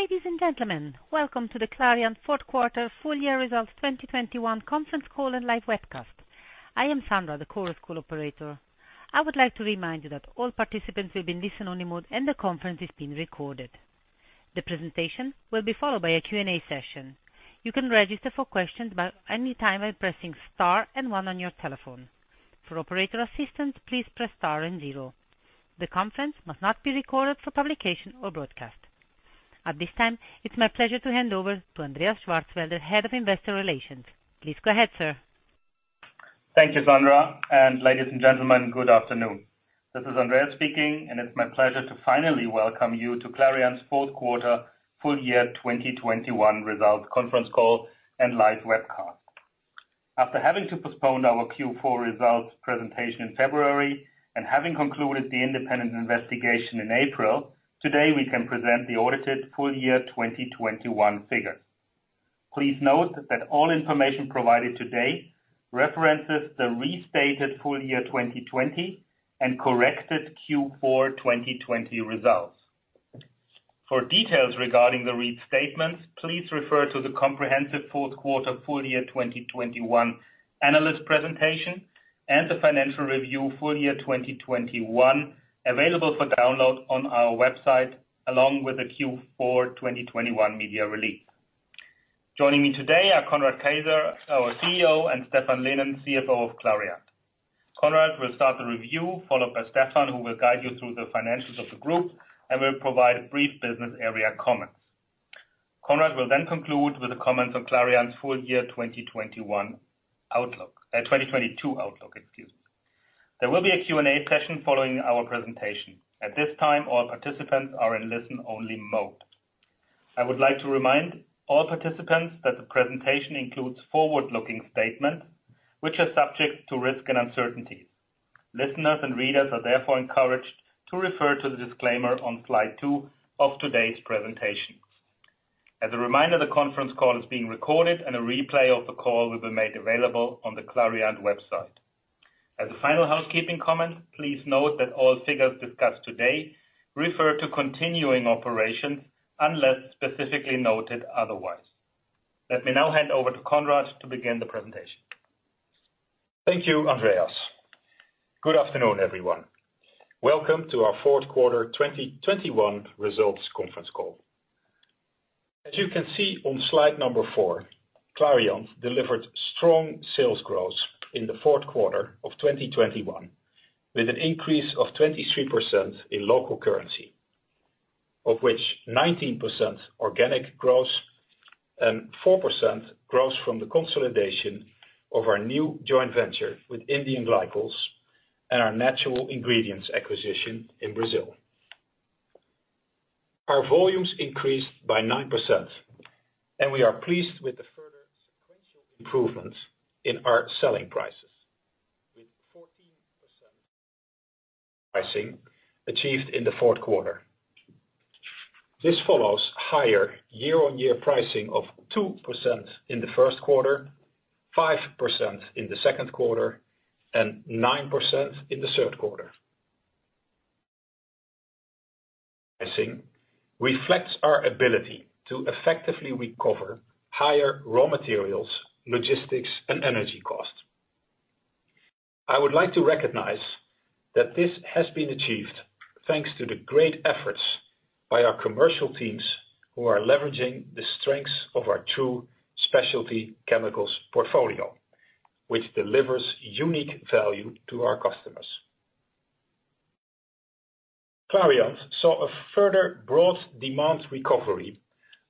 Ladies and gentlemen, welcome to the Clariant fourth quarter full year results 2021 conference call and live webcast. I am Sandra, the Chorus Call operator. I would like to remind you that all participants will be in listen-only mode and the conference is being recorded. The presentation will be followed by a Q&A session. You can register for questions anytime by pressing star and one on your telephone. For operator assistance, please press star and zero. The conference must not be recorded for publication or broadcast. At this time, it's my pleasure to hand over to Andreas Schwarzwälder, the Head of Investor Relations. Please go ahead, sir. Thank you, Sandra. Ladies and gentlemen, good afternoon. This is Andreas speaking, and it's my pleasure to finally welcome you to Clariant's fourth quarter full year 2021 results conference call and live webcast. After having to postpone our Q4 results presentation in February and having concluded the independent investigation in April, today we can present the audited full year 2021 figures. Please note that all information provided today references the restated full year 2020 and corrected Q4 2020 results. For details regarding the restatements, please refer to the comprehensive fourth quarter full year 2021 analyst presentation and the financial review full year 2021, available for download on our website, along with the Q4 2021 media release. Joining me today are Conrad Keijzer, our CEO, and Stephan Lynen, CFO of Clariant. Conrad will start the review, followed by Stephan, who will guide you through the financials of the group and will provide brief business area comments. Conrad will then conclude with the comments on Clariant's full year 2022 outlook, excuse me. There will be a Q&A session following our presentation. At this time, all participants are in listen only mode. I would like to remind all participants that the presentation includes forward-looking statements which are subject to risk and uncertainty. Listeners and readers are therefore encouraged to refer to the disclaimer on slide two of today's presentations. As a reminder, the conference call is being recorded and a replay of the call will be made available on the Clariant website. As a final housekeeping comment, please note that all figures discussed today refer to continuing operations unless specifically noted otherwise. Let me now hand over to Conrad to begin the presentation. Thank you, Andreas. Good afternoon, everyone. Welcome to our fourth quarter 2021 results conference call. As you can see on slide number four, Clariant delivered strong sales growth in the fourth quarter of 2021, with an increase of 23% in local currency, of which 19% organic growth and 4% growth from the consolidation of our new joint venture with Indian Glycols and our Natural Ingredients acquisition in Brazil. Our volumes increased by 9%, and we are pleased with the further sequential improvements in our selling prices with 14% pricing achieved in the fourth quarter. This follows higher year-on-year pricing of 2% in the first quarter, 5% in the second quarter, and 9% in the third quarter. Pricing reflects our ability to effectively recover higher raw materials, logistics and energy costs. I would like to recognize that this has been achieved thanks to the great efforts by our commercial teams who are leveraging the strengths of our two specialty chemicals portfolio, which delivers unique value to our customers. Clariant saw a further broad demand recovery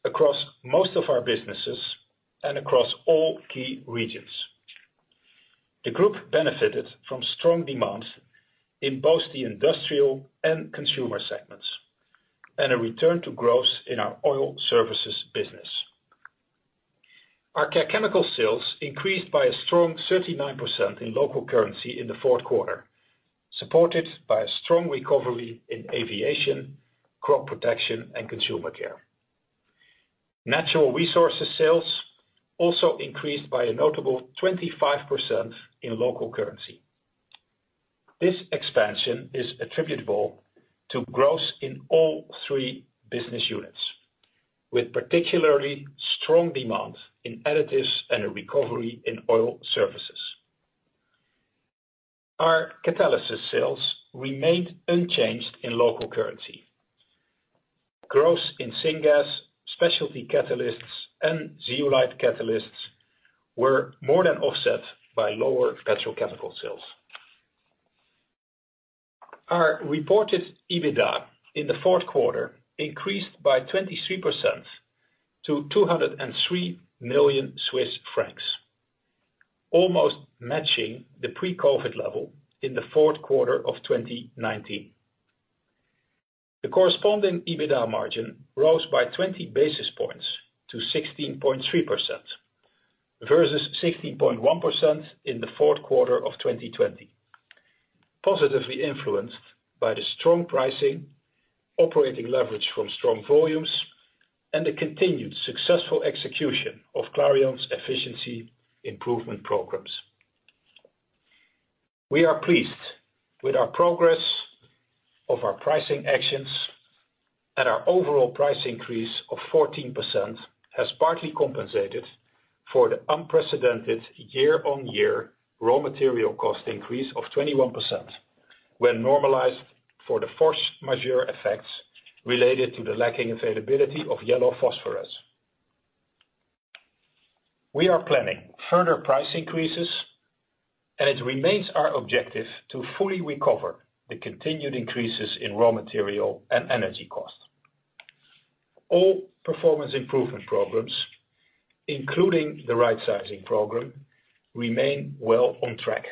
across most of our businesses and across all key regions. The group benefited from strong demand in both the industrial and consumer segments and a return to growth in our Oil Services business. Our Care Chemicals sales increased by a strong 39% in local currency in the fourth quarter, supported by a strong recovery in aviation, crop protection and consumer care. Natural Resources sales also increased by a notable 25% in local currency. This expansion is attributable to growth in all three business units, with particularly strong demand in additives and a recovery in Oil Services. Our Catalysis sales remained unchanged in local currency. Growth in syngas, specialty catalysts and zeolite catalysts were more than offset by lower petrochemical sales. Our reported EBITDA in the fourth quarter increased by 23% to 203 million Swiss francs, almost matching the pre-COVID level in the fourth quarter of 2019. The corresponding EBITDA margin rose by 20 basis points to 16.3% versus 16.1% in the fourth quarter of 2020. Positively influenced by the strong pricing, operating leverage from strong volumes and the continued successful execution of Clariant's efficiency improvement programs. We are pleased with our progress of our pricing actions and our overall price increase of 14% has partly compensated for the unprecedented year-over-year raw material cost increase of 21% when normalized for the force majeure effects related to the lacking availability of yellow phosphorus. We are planning further price increases, and it remains our objective to fully recover the continued increases in raw material and energy costs. All performance improvement programs, including the right sizing program, remain well on track.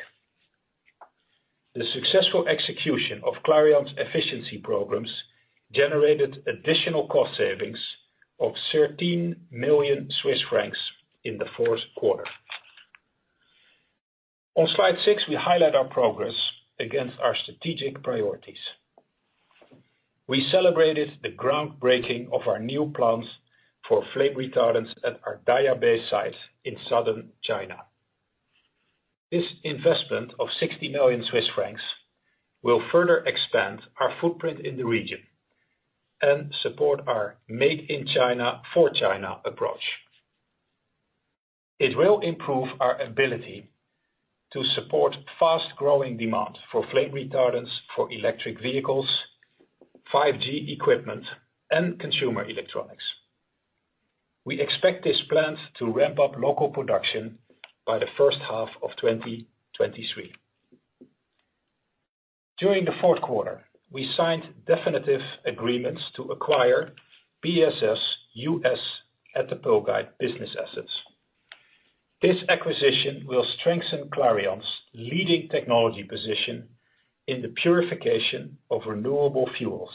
The successful execution of Clariant's efficiency programs generated additional cost savings of 13 million Swiss francs in the fourth quarter. On slide six, we highlight our progress against our strategic priorities. We celebrated the groundbreaking of our new plants for flame retardants at our Daya Bay site in southern China. This investment of 60 million Swiss francs will further expand our footprint in the region and support our Made in China for China approach. It will improve our ability to support fast-growing demand for flame retardants for electric vehicles, 5G equipment and consumer electronics. We expect this plant to ramp up local production by the first half of 2023. During the fourth quarter, we signed definitive agreements to acquire BSS US Ethylene Glycol business assets. This acquisition will strengthen Clariant's leading technology position in the purification of renewable fuels,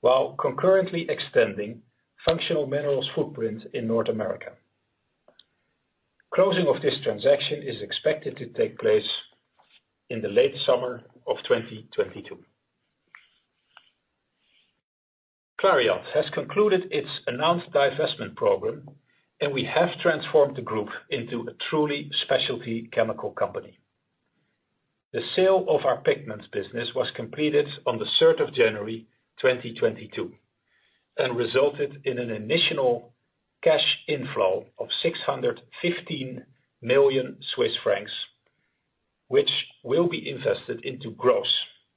while concurrently extending Functional Materials footprint in North America. Closing of this transaction is expected to take place in the late summer of 2022. Clariant has concluded its announced divestment program, and we have transformed the group into a truly specialty chemical company. The sale of our pigments business was completed on the 3rd of January 2022, and resulted in an initial cash inflow of 615 million Swiss francs, which will be invested into growth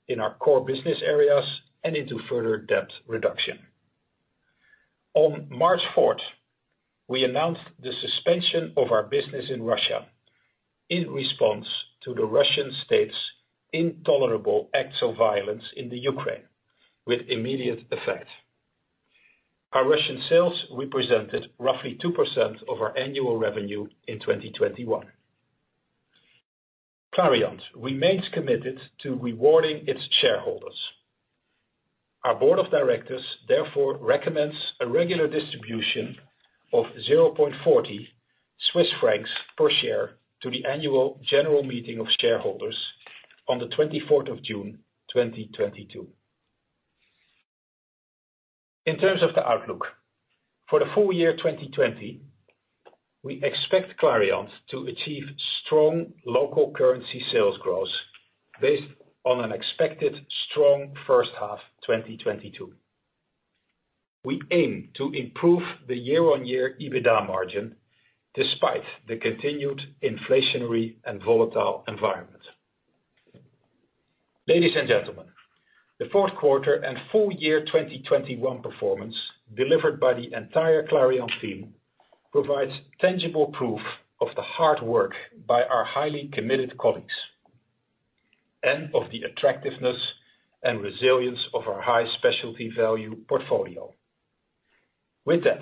in our core business areas and into further debt reduction. On March 4th, we announced the suspension of our business in Russia in response to the Russian state's intolerable acts of violence in Ukraine with immediate effect. Our Russian sales represented roughly 2% of our annual revenue in 2021. Clariant remains committed to rewarding its shareholders. Our board of directors therefore recommends a regular distribution of 0.40 Swiss francs per share to the Annual General Meeting of Shareholders on the 24th of June, 2022. In terms of the outlook, for the full year 2022, we expect Clariant to achieve strong local currency sales growth based on an expected strong first half, 2022. We aim to improve the year-on-year EBITDA margin despite the continued inflationary and volatile environment. Ladies and gentlemen, the fourth quarter and full year, 2021 performance delivered by the entire Clariant team provides tangible proof of the hard work by our highly committed colleagues and of the attractiveness and resilience of our high specialty value portfolio. With that,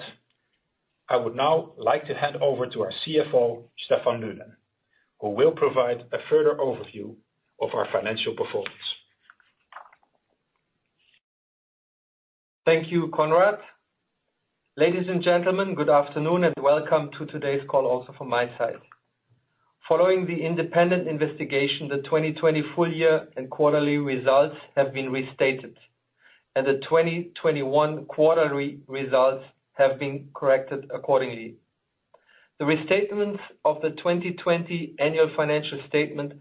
I would now like to hand over to our CFO, Stephan Lynen, who will provide a further overview of our financial performance. Thank you, Conrad. Ladies and gentlemen, good afternoon, and welcome to today's call also from my side. Following the independent investigation, the 2020 full year and quarterly results have been restated and the 2021 quarterly results have been corrected accordingly. The restatements of the 2020 Annual Financial Statement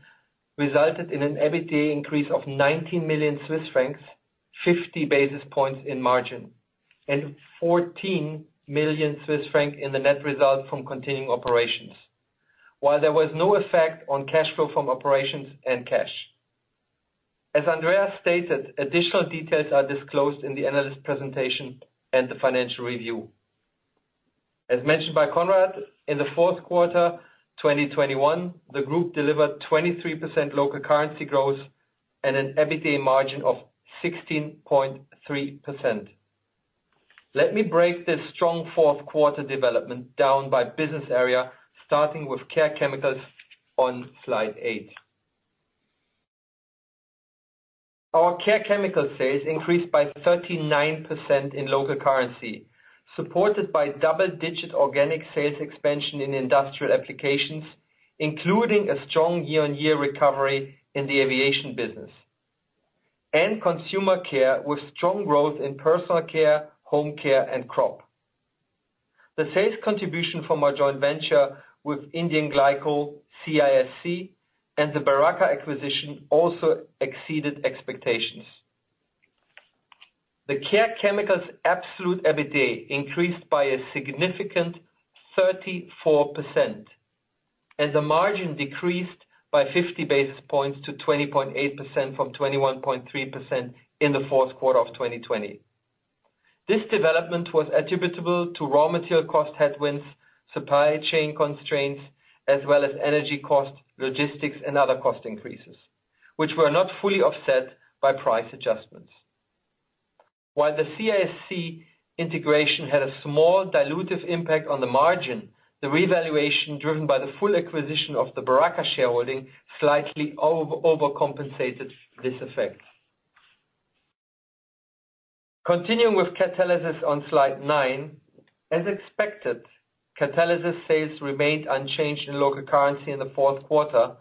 resulted in an EBITDA increase of 90 million Swiss francs, 50 basis points in margin and 14 million Swiss francs in the net result from continuing operations. While there was no effect on cash flow from operations and cash. As Andreas stated, additional details are disclosed in the analyst presentation and the financial review. As mentioned by Conrad, in the fourth quarter, 2021, the group delivered 23% local currency growth and an EBITDA margin of 16.3%. Let me break this strong fourth quarter development down by business area, starting with Care Chemicals on slide eight. Our Care Chemicals sales increased by 39% in local currency, supported by double-digit organic sales expansion in industrial applications, including a strong year-on-year recovery in the aviation business and Consumer Care with strong growth in personal care, home care, and crop. The sales contribution from our joint venture with India Glycols, CISC, and the Beraca acquisition also exceeded expectations. The Care Chemicals absolute EBITDA increased by a significant 34% and the margin decreased by 50 basis points to 20.8% from 21.3% in the fourth quarter of 2020. This development was attributable to raw material cost headwinds, supply chain constraints, as well as energy costs, logistics, and other cost increases, which were not fully offset by price adjustments. While the CISC integration had a small dilutive impact on the margin, the revaluation driven by the full acquisition of the Beraca shareholding slightly overcompensated this effect. Continuing with Catalysis on slide nine, as expected, Catalysis sales remained unchanged in local currency in the fourth quarter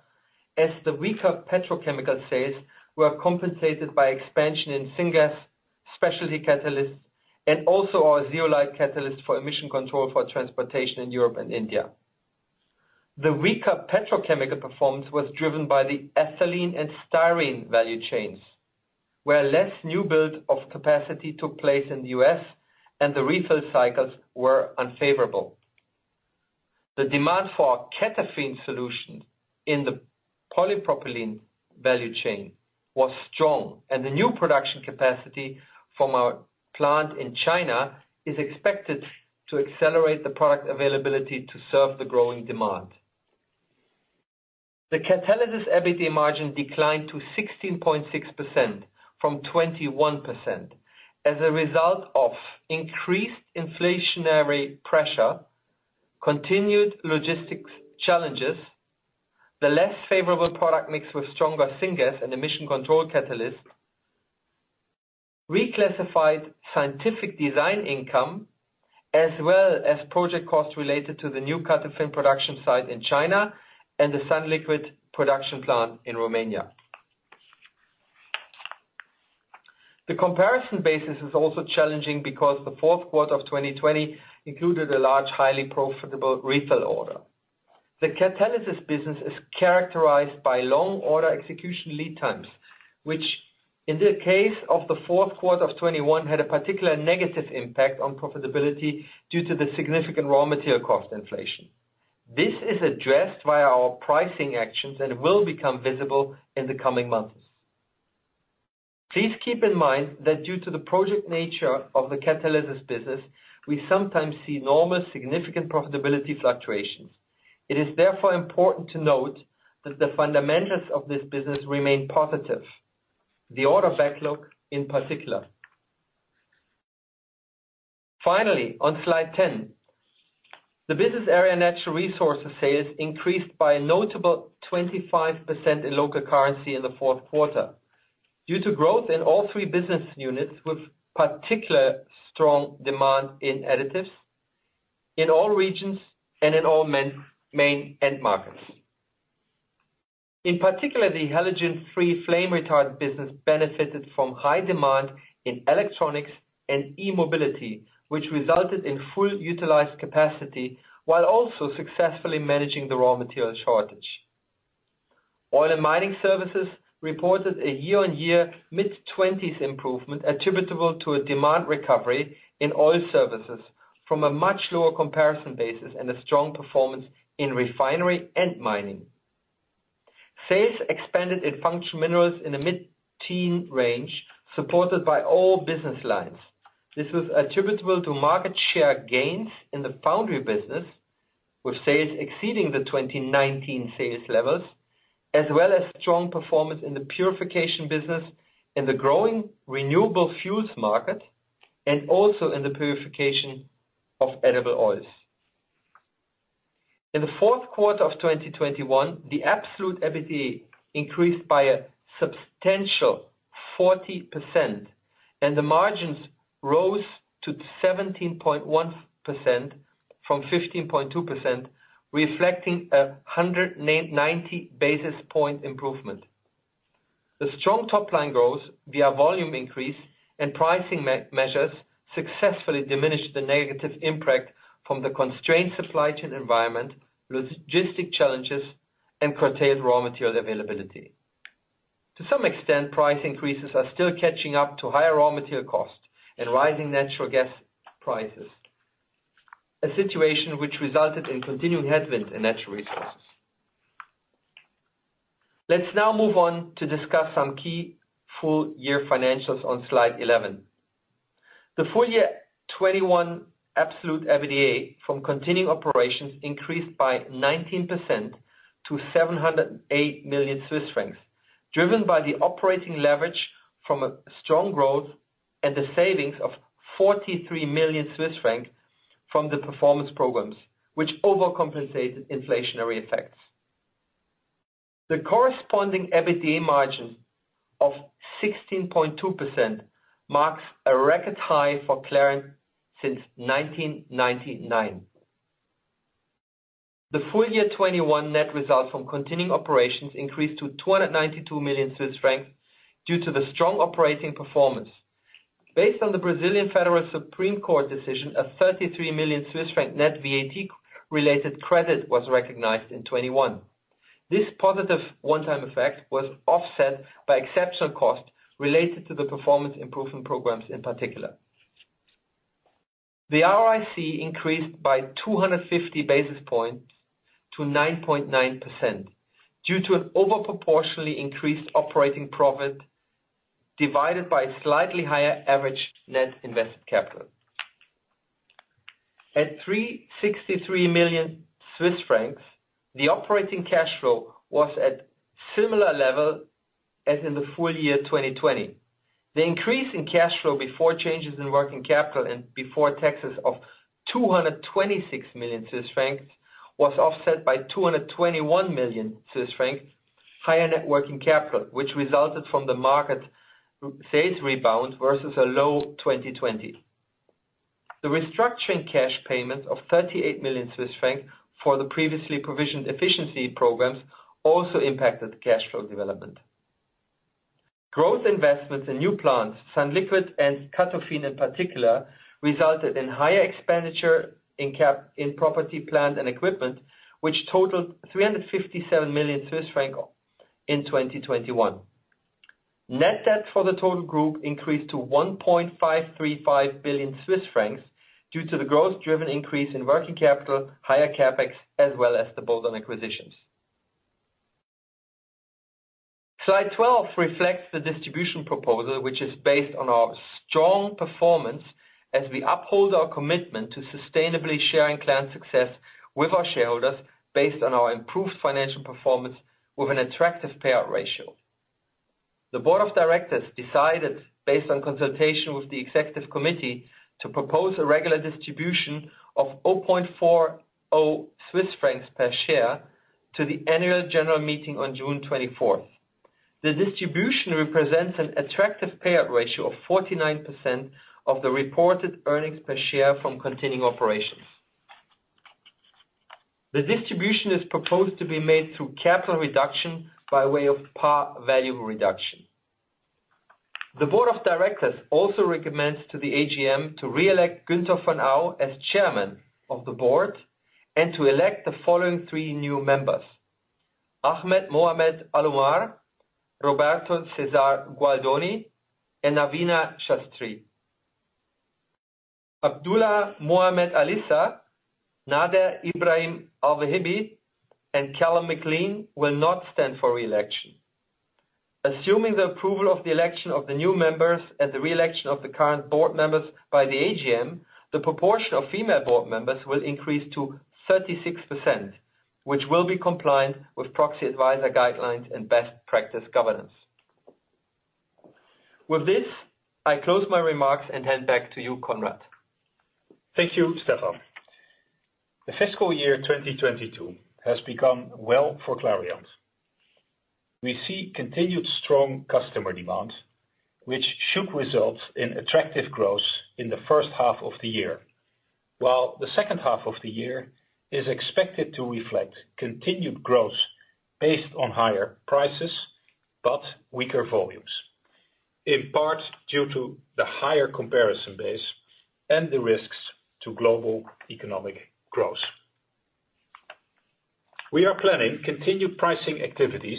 as the weaker petrochemical sales were compensated by expansion in syngas, specialty catalysts, and also our zeolite catalyst for emission control for transportation in Europe and India. The weaker petrochemical performance was driven by the ethylene and styrene value chains, where less new build of capacity took place in the U.S. and the refill cycles were unfavorable. The demand for CATOFIN solution in the polypropylene value chain was strong, and the new production capacity from our plant in China is expected to accelerate the product availability to serve the growing demand. The Catalysis EBITDA margin declined to 16.6% from 21% as a result of increased inflationary pressure, continued logistics challenges, the less favorable product mix with stronger syngas and emission control catalyst, reclassified Scientific Design income, as well as project costs related to the new CATOFIN production site in China and the sunliquid production plant in Romania. The comparison basis is also challenging because the fourth quarter of 2020 included a large, highly profitable refill order. The Catalysis business is characterized by long order execution lead times, which in the case of the fourth quarter of 2021 had a particular negative impact on profitability due to the significant raw material cost inflation. This is addressed via our pricing actions and will become visible in the coming months. Please keep in mind that due to the project nature of the Catalysis business, we sometimes see normal, significant profitability fluctuations. It is therefore important to note that the fundamentals of this business remain positive, the order backlog in particular. Finally, on slide 10, the business area Natural Resources sales increased by a notable 25% in local currency in the fourth quarter due to growth in all three business units, with particularly strong demand in additives in all regions and in all main end markets. In particular, the halogen-free flame retardant business benefited from high demand in electronics and e-mobility, which resulted in fully utilized capacity while also successfully managing the raw material shortage. Oil & Mining Services reported a year-on-year mid-20s% improvement attributable to a demand recovery in oil services from a much lower comparison basis and a strong performance in refinery and mining. Sales expanded in Functional Minerals in the mid-teen range, supported by all business lines. This was attributable to market share gains in the foundry business, with sales exceeding the 2019 sales levels, as well as strong performance in the purification business, in the growing renewable fuels market, and also in the purification of edible oils. In the fourth quarter of 2021, the absolute EBITDA increased by a substantial 40%, and the margins rose to 17.1% from 15.2%, reflecting a 190 basis point improvement. The strong top-line growth via volume increase and pricing measures successfully diminished the negative impact from the constrained supply chain environment, logistic challenges, and curtailed raw material availability. To some extent, price increases are still catching up to higher raw material costs and rising natural gas prices, a situation which resulted in continuing headwinds in Natural Resources. Let's now move on to discuss some key full year financials on slide eleven. The full year 2021 absolute EBITDA from continuing operations increased by 19% to 708 million Swiss francs, driven by the operating leverage from a strong growth and the savings of 43 million Swiss francs from the performance programs, which overcompensated inflationary effects. The corresponding EBITDA margin of 16.2% marks a record high for Clariant since 1999. The full year 2021 net results from continuing operations increased to 292 million Swiss francs due to the strong operating performance. Based on the Brazilian Federal Supreme Court decision, a 33 million Swiss franc net VAT related credit was recognized in 2021. This positive one-time effect was offset by exceptional costs related to the performance improvement programs in particular. The ROIC increased by 250 basis points to 9.9% due to an over proportionally increased operating profit divided by a slightly higher average net invested capital. At 363 million Swiss francs, the operating cash flow was at similar level as in the full year 2020. The increase in cash flow before changes in working capital and before taxes of 226 million Swiss francs was offset by 221 million Swiss francs higher net working capital, which resulted from the market sales rebound versus a low 2020. The restructuring cash payment of 38 million Swiss francs for the previously provisioned efficiency programs also impacted the cash flow development. Growth investments in new plants, sunliquid and CATOFIN in particular, resulted in higher expenditure in property, plant, and equipment, which totaled 357 million Swiss francs in 2021. Net debt for the total group increased to 1.535 billion Swiss francs due to the growth-driven increase in working capital, higher CapEx, as well as the bolt-on acquisitions. Slide 12 reflects the distribution proposal, which is based on our strong performance as we uphold our commitment to sustainably sharing client success with our shareholders based on our improved financial performance with an attractive payout ratio. The Board of Directors decided, based on consultation with the executive committee, to propose a regular distribution of 0.40 Swiss francs per share to the annual general meeting on June 24th. The distribution represents an attractive payout ratio of 49% of the reported earnings per share from continuing operations. The distribution is proposed to be made through capital reduction by way of par value reduction. The board of directors also recommends to the AGM to reelect Günter von Au as Chairman of the Board and to elect the following three new members, Ahmed Mohamed Al Umar, Roberto César Gualdoni, and Naveena Shastri. Abdullah Mohammed Al-Issa, Nader Ibrahim Alwehibi, and Calum MacLean will not stand for re-election. Assuming the approval of the election of the new members and the re-election of the current board members by the AGM, the proportion of female board members will increase to 36%, which will be compliant with proxy advisor guidelines and best practice governance. With this, I close my remarks and hand back to you, Conrad. Thank you, Stephan. The fiscal year 2022 has begun well for Clariant. We see continued strong customer demand, which should result in attractive growth in the first half of the year, while the second half of the year is expected to reflect continued growth based on higher prices, but weaker volumes, in part due to the higher comparison base and the risks to global economic growth. We are planning continued pricing activities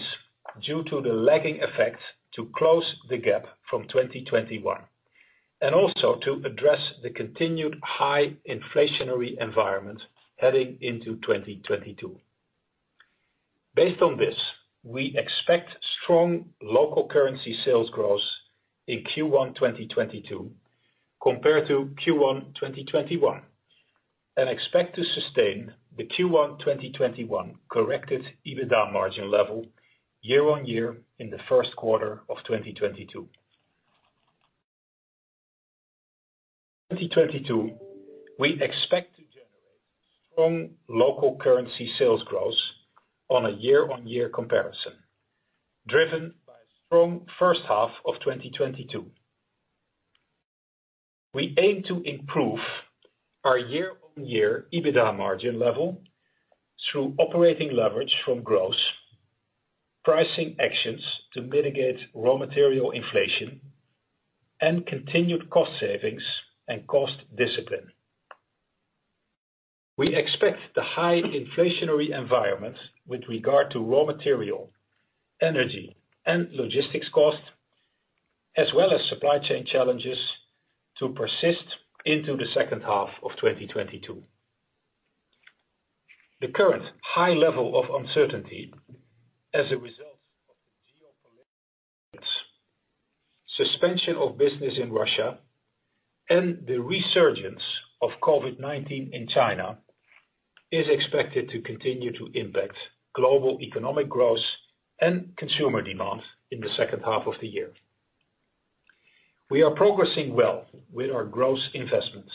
due to the lagging effects to close the gap from 2021, and also to address the continued high inflationary environment heading into 2022. Based on this, we expect strong local currency sales growth in Q1 2022 compared to Q1 2021, and expect to sustain the Q1 2021 corrected EBITDA margin level year-on-year in the first quarter of 2022. 2022, we expect to generate strong local currency sales growth on a year-on-year comparison, driven by strong first half of 2022. We aim to improve our year-on-year EBITDA margin level through operating leverage from growth, pricing actions to mitigate raw material inflation and continued cost savings and cost discipline. We expect the high inflationary environment with regard to raw material, energy, and logistics costs, as well as supply chain challenges to persist into the second half of 2022. The current high level of uncertainty as a result of the geopolitical suspension of business in Russia and the resurgence of COVID-19 in China is expected to continue to impact global economic growth and consumer demand in the second half of the year. We are progressing well with our growth investments.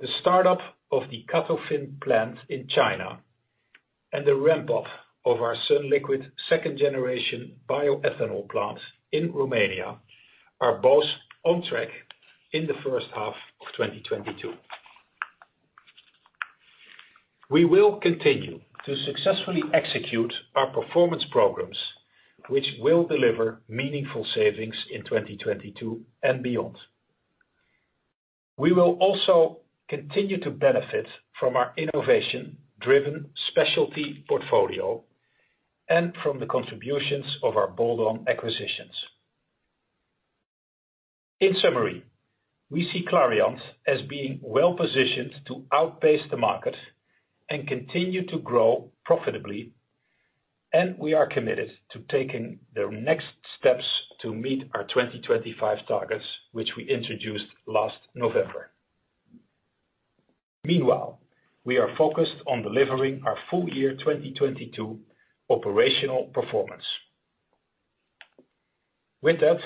The startup of the CATOFIN plant in China. The ramp up of our sunliquid Second-Generation bioethanol plants in Romania are both on track in the first half of 2022. We will continue to successfully execute our performance programs, which will deliver meaningful savings in 2022 and beyond. We will also continue to benefit from our innovation-driven specialty portfolio and from the contributions of our bolt-on acquisitions. In summary, we see Clariant as being well-positioned to outpace the market and continue to grow profitably, and we are committed to taking the next steps to meet our 2025 targets which we introduced last November. Meanwhile, we are focused on delivering our full year 2022 operational performance. With that,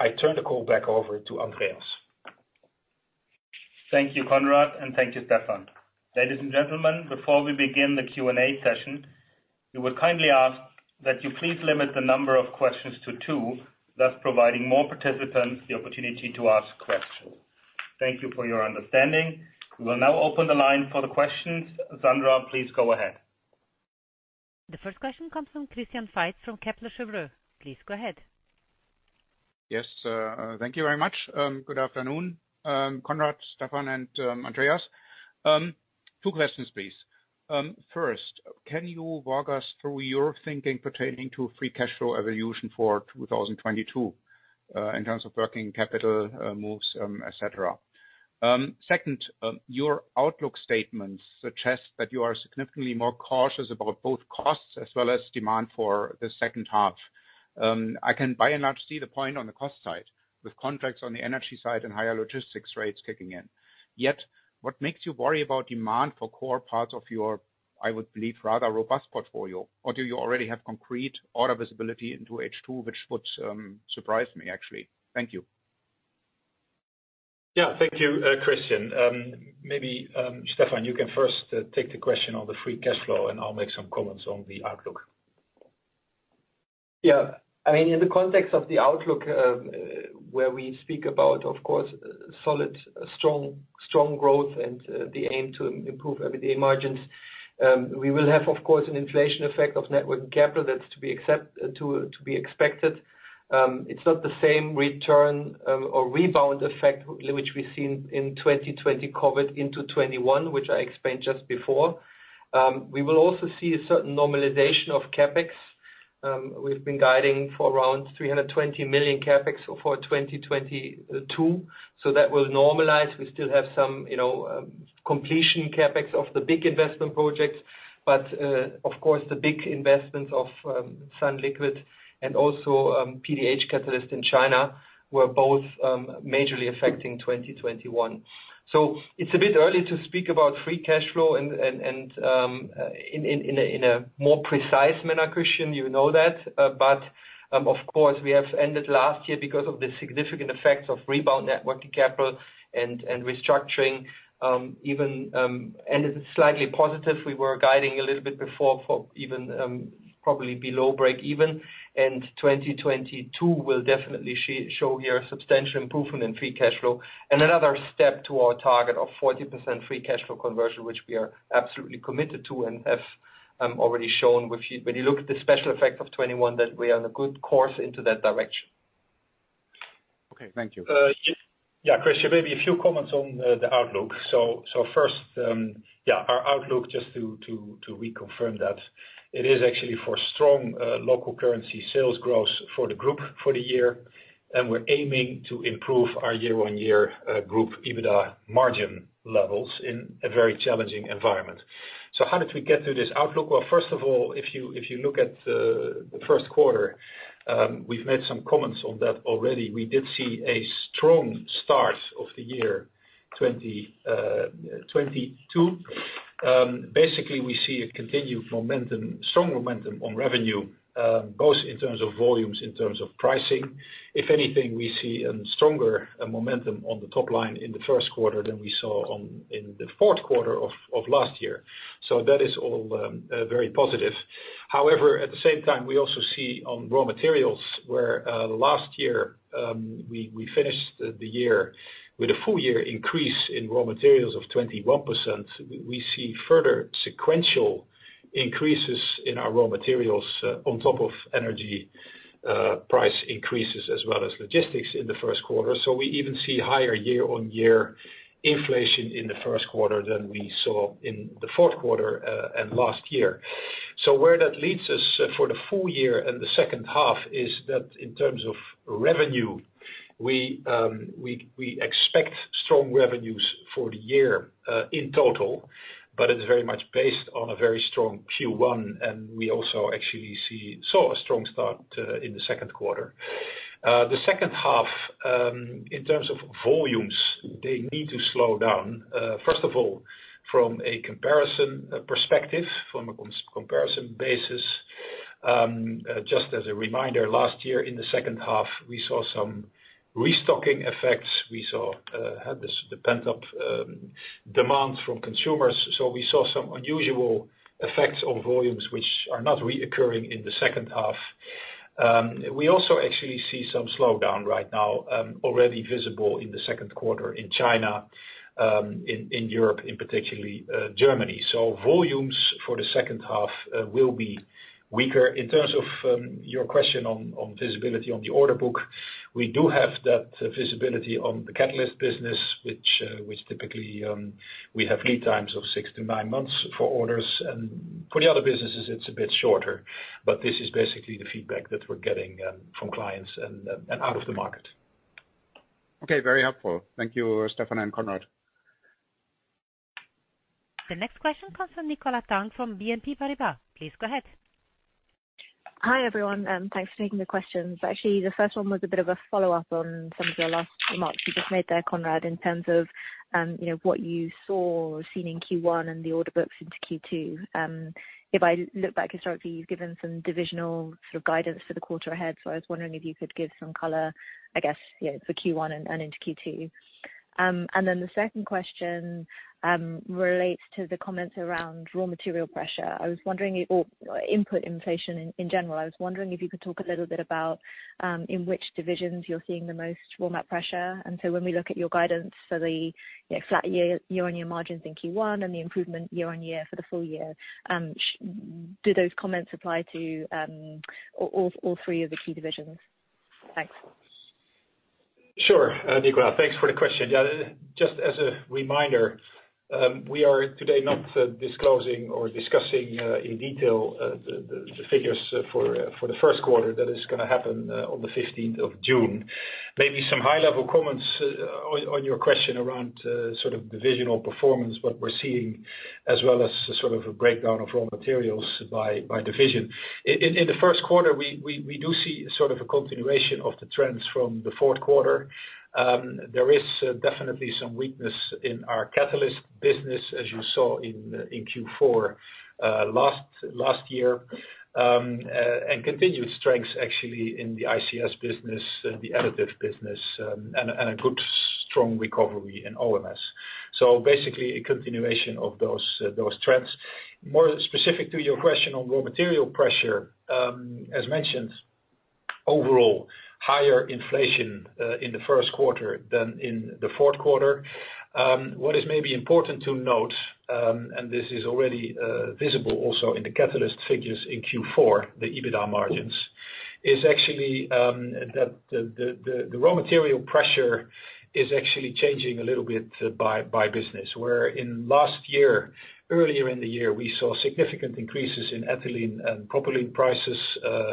I turn the call back over to Andreas. Thank you, Conrad, and thank you, Stephan. Ladies and gentlemen, before we begin the Q&A session, we will kindly ask that you please limit the number of questions to two, thus providing more participants the opportunity to ask questions. Thank you for your understanding. We will now open the line for the questions. Sandra, please go ahead. The first question comes from Christian Faitz from Kepler Cheuvreux. Please go ahead. Yes, thank you very much. Good afternoon, Conrad, Stephan, and Andreas. Two questions, please. First, can you walk us through your thinking pertaining to free cash flow evolution for 2022, in terms of working capital moves, etc.? Second, your outlook statements suggest that you are significantly more cautious about both costs as well as demand for the second half. I can by and large see the point on the cost side with contracts on the energy side and higher logistics rates kicking in. Yet, what makes you worry about demand for core parts of your, I would believe, rather robust portfolio? Or do you already have concrete order visibility into H2, which would surprise me actually. Thank you. Yeah. Thank you, Christian. Maybe, Stephan, you can first take the question on the free cash flow, and I'll make some comments on the outlook. I mean, in the context of the outlook, where we speak about, of course, solid, strong growth and the aim to improve EBITDA margins, we will have, of course, an inflation effect of net working capital that's to be expected. It's not the same return or rebound effect which we've seen in 2020 COVID into 2021, which I explained just before. We will also see a certain normalization of CapEx. We've been guiding for around 320 million CapEx for 2022, so that will normalize. We still have some, you know, completion CapEx of the big investment projects. Of course, the big investments of sunliquid and also PDH Catalyst in China were both majorly affecting 2021. It's a bit early to speak about free cash flow and in a more precise manner, Christian. You know that. Of course, we have ended last year because of the significant effects of rebound net working capital and restructuring, even ended slightly positive. We were guiding a little bit before for even probably below break even. 2022 will definitely show a substantial improvement in free cash flow and another step to our target of 40% free cash flow conversion, which we are absolutely committed to and have already shown. If you look at the special effect of 2021, that we are on a good course in that direction. Okay. Thank you. Yeah, Christian, maybe a few comments on the outlook. First, our outlook, just to reconfirm that it is actually for strong local currency sales growth for the group for the year, and we're aiming to improve our year-on-year group EBITDA margin levels in a very challenging environment. How did we get to this outlook? Well, first of all, if you look at the first quarter, we've made some comments on that already. We did see a strong start of the year 2022. Basically we see a continued momentum, strong momentum on revenue, both in terms of volumes, in terms of pricing. If anything, we see a stronger momentum on the top line in the first quarter than we saw in the fourth quarter of last year. That is all, very positive. However, at the same time, we also see on raw materials where, last year, we finished the year with a full year increase in raw materials of 21%. We see further sequential increases in our raw materials on top of energy, price increases as well as logistics in the first quarter. We even see higher year-on-year inflation in the first quarter than we saw in the fourth quarter, and last year. Where that leads us for the full year and the second half is that in terms of revenue, we expect strong revenues for the year, in total, but it is very much based on a very strong Q1, and we also actually saw a strong start, in the second quarter. The second half, in terms of volumes, they need to slow down, first of all, from a comparison perspective. Just as a reminder, last year in the second half, we saw some restocking effects. We had this pent-up demand from consumers. We saw some unusual effects on volumes which are not recurring in the second half. We also actually see some slowdown right now, already visible in the second quarter in China, in Europe, in particular, Germany. Volumes for the second half will be weaker. In terms of your question on visibility on the order book, we do have that visibility on the catalyst business, which typically we have lead times of six to nine months for orders. For the other businesses, it's a bit shorter, but this is basically the feedback that we're getting from clients and out of the market. Okay, very helpful. Thank you, Stephan and Conrad. The next question comes from Nicola Tang from BNP Paribas. Please go ahead. Hi, everyone, and thanks for taking the questions. Actually, the first one was a bit of a follow-up on some of your last remarks you just made there, Conrad, in terms of, you know, what you saw or seen in Q1 and the order books into Q2. If I look back historically, you've given some divisional sort of guidance for the quarter ahead, so I was wondering if you could give some color, I guess, you know, for Q1 and into Q2. Then the second question relates to the comments around raw material pressure or input inflation in general. I was wondering if you could talk a little bit about in which divisions you're seeing the most raw material pressure. When we look at your guidance for the, you know, flat year-on-year margins in Q1 and the improvement year-on-year for the full year, do those comments apply to all three of the key divisions? Thanks. Sure, Nicola. Thanks for the question. Yeah, just as a reminder, we are today not disclosing or discussing in detail the figures for the first quarter. That is gonna happen on the 15th of June. Maybe some high-level comments on your question around sort of divisional performance, what we're seeing, as well as sort of a breakdown of raw materials by division. In the first quarter, we do see sort of a continuation of the trends from the fourth quarter. There is definitely some weakness in our Catalyst business, as you saw in Q4 last year. And continued strength actually in the ICS business, the additive business, and a good strong recovery in OMS. Basically a continuation of those trends. More specific to your question on raw material pressure, as mentioned, overall higher inflation in the first quarter than in the fourth quarter. What is maybe important to note, and this is already visible also in the catalyst figures in Q4, the EBITDA margins, is actually that the raw material pressure is actually changing a little bit by business, where in last year, earlier in the year, we saw significant increases in ethylene and propylene prices,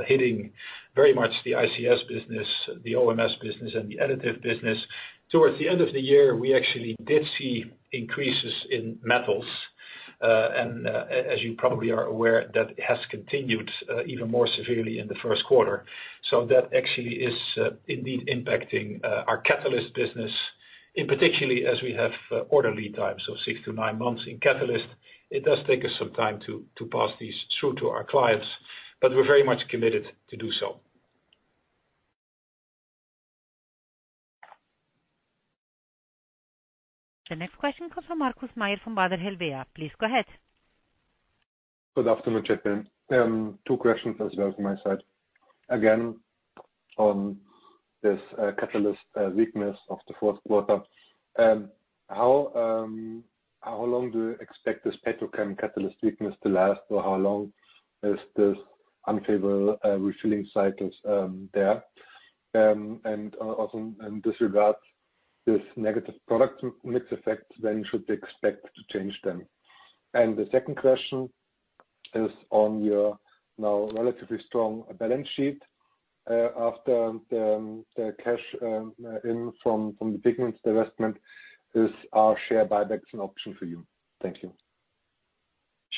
hitting very much the ICS business, the OMS business, and the Additive business. Towards the end of the year, we actually did see increases in metals. As you probably are aware, that has continued even more severely in the first quarter. That actually is indeed impacting our Catalyst business, in particular as we have order lead times of six to nine months. In Catalyst, it does take us some time to pass these through to our clients, but we're very much committed to do so. The next question comes from Markus Mayer from Baader-Helvea. Please go ahead. Good afternoon, gentlemen. Two questions as well from my side. Again, on this catalyst weakness of the fourth quarter. How long do you expect this petrochem catalyst weakness to last? Or how long is this unfavorable refinery cycles there? Also in this regard, this negative product mix effect, when should we expect to change then? The second question is on your now relatively strong balance sheet. After the cash in from the Pigments divestment, are share buybacks an option for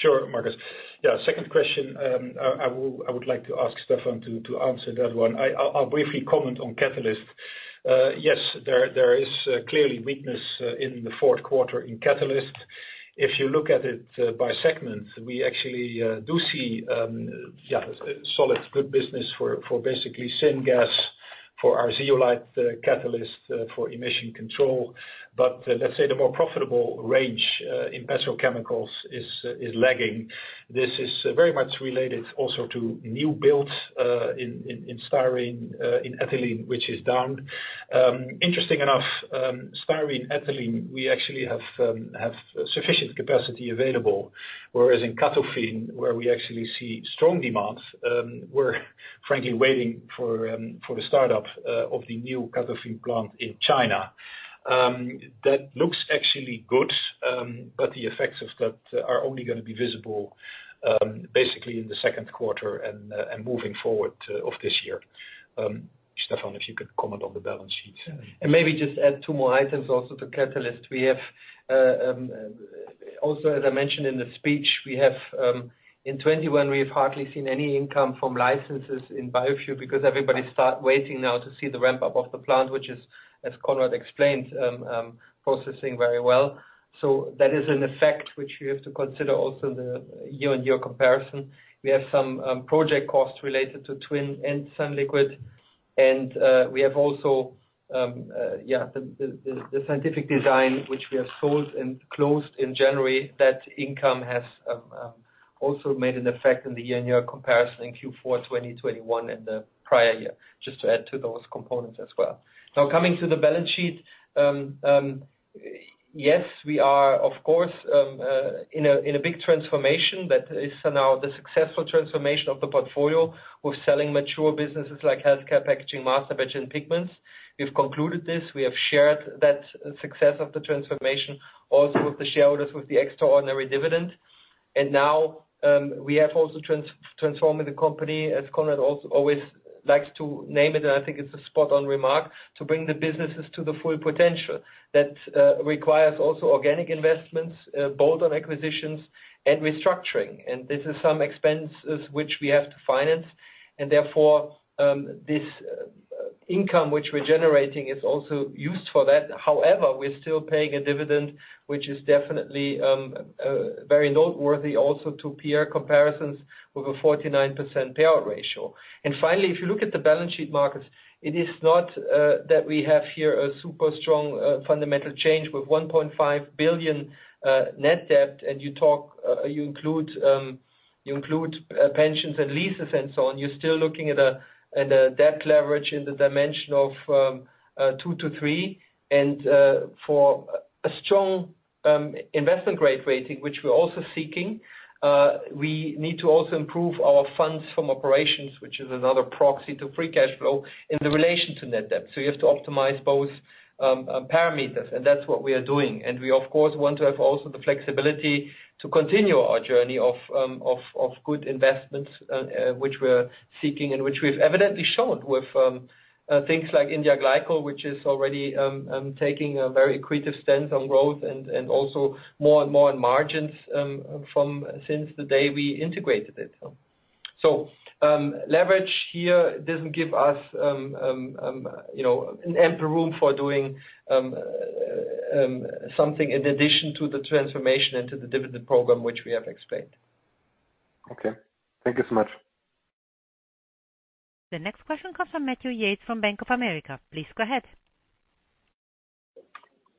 you? Thank you. Sure, Markus. Yeah, second question, I would like to ask Stephan to answer that one. I'll briefly comment on catalyst. Yes, there is clearly weakness in the fourth quarter in catalyst. If you look at it by segment, we actually do see solid good business for basically syngas, for our zeolite catalyst for emission control. But let's say the more profitable range in petrochemicals is lagging. This is very much related also to new builds in styrene, in ethylene, which is down. Interesting enough, styrene, ethylene, we actually have sufficient capacity available. Whereas in CATOFIN, where we actually see strong demand, we're frankly waiting for the startup of the new CATOFIN plant in China. That looks actually good, but the effects of that are only gonna be visible basically in the second quarter and moving forward of this year. Stephan, if you could comment on the balance sheet. Maybe just add two more items also to catalyst. We have also, as I mentioned in the speech, we have in 2021, we've hardly seen any income from licenses in biofuel because everybody start waiting now to see the ramp-up of the plant, which is, as Conrad explained, processing very well. So that is an effect which you have to consider also the year-on-year comparison. We have some project costs related to Twin and sunliquid. We have also yeah, the Scientific Design which we have sold and closed in January, that income has also made an effect in the year-on-year comparison in Q4 2021 and the prior year, just to add to those components as well. Now coming to the balance sheet, yes, we are of course in a big transformation that is now the successful transformation of the portfolio. We're selling mature businesses like Healthcare Packaging, Masterbatch, and Pigments. We've concluded this. We have shared that success of the transformation also with the shareholders with the extraordinary dividend. Now, we have also transforming the company, as Conrad always likes to name it, and I think it's a spot on remark, to bring the businesses to the full potential that requires also organic investments, bolt-on acquisitions and restructuring. This is some expenses which we have to finance. Therefore, this income which we're generating is also used for that. However, we're still paying a dividend, which is definitely very noteworthy also to peer comparisons with a 49% payout ratio. Finally, if you look at the balance sheet metrics, it is not that we have here a super strong fundamental change with 1.5 billion net debt. You include pensions and leases and so on. You're still looking at a debt-leverage in the dimension of 2-3. For a strong investment grade rating, which we're also seeking, we need to also improve our funds from operations, which is another proxy to free cash flow in the relation to net-debt. You have to optimize both parameters, and that's what we are doing. We of course want to have also the flexibility to continue our journey of good investments, which we're seeking and which we've evidently shown with things like India Glycols, which is already taking a very accretive stance on growth and also more and more in margins from since the day we integrated it. Leverage here doesn't give us, you know, an ample room for doing something in addition to the transformation into the dividend program, which we have explained. Okay. Thank you so much. The next question comes from Matthew Yates from Bank of America. Please go ahead.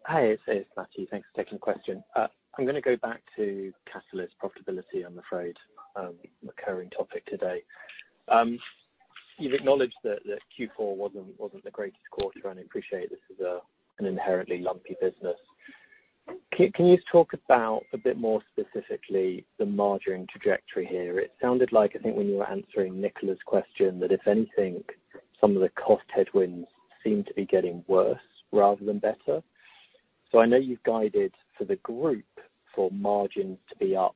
Hi, it's Matthew. Thanks for taking the question. I'm gonna go back to Catalyst profitability, I'm afraid, recurring topic today. You've acknowledged that Q4 wasn't the greatest quarter, and I appreciate this is an inherently lumpy business. Can you talk about a bit more specifically the margining trajectory here? It sounded like, I think when you were answering Nicola's question, that if anything, some of the cost headwinds seem to be getting worse rather than better. I know you've guided for the group for margins to be up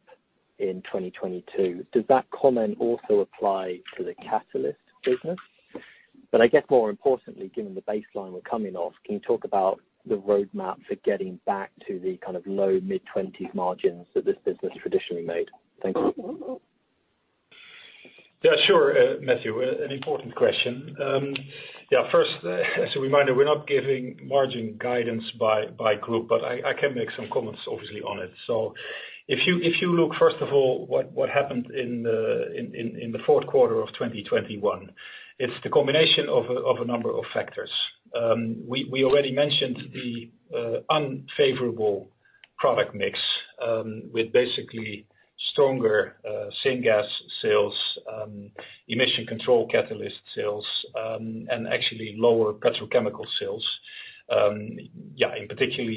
in 2022. Does that comment also apply to the Catalyst business? I guess more importantly, given the baseline we're coming off, can you talk about the roadmap for getting back to the kind of low- to mid-20s% margins that this business traditionally made? Thank you. Yeah, sure, Matthew, an important question. Yeah, first, as a reminder, we're not giving margin guidance by group, but I can make some comments obviously on it. If you look, first of all, what happened in the fourth quarter of 2021, it's the combination of a number of factors. We already mentioned the unfavorable product mix with basically stronger syngas sales, emission control catalyst sales, and actually lower petrochemical sales. In particular,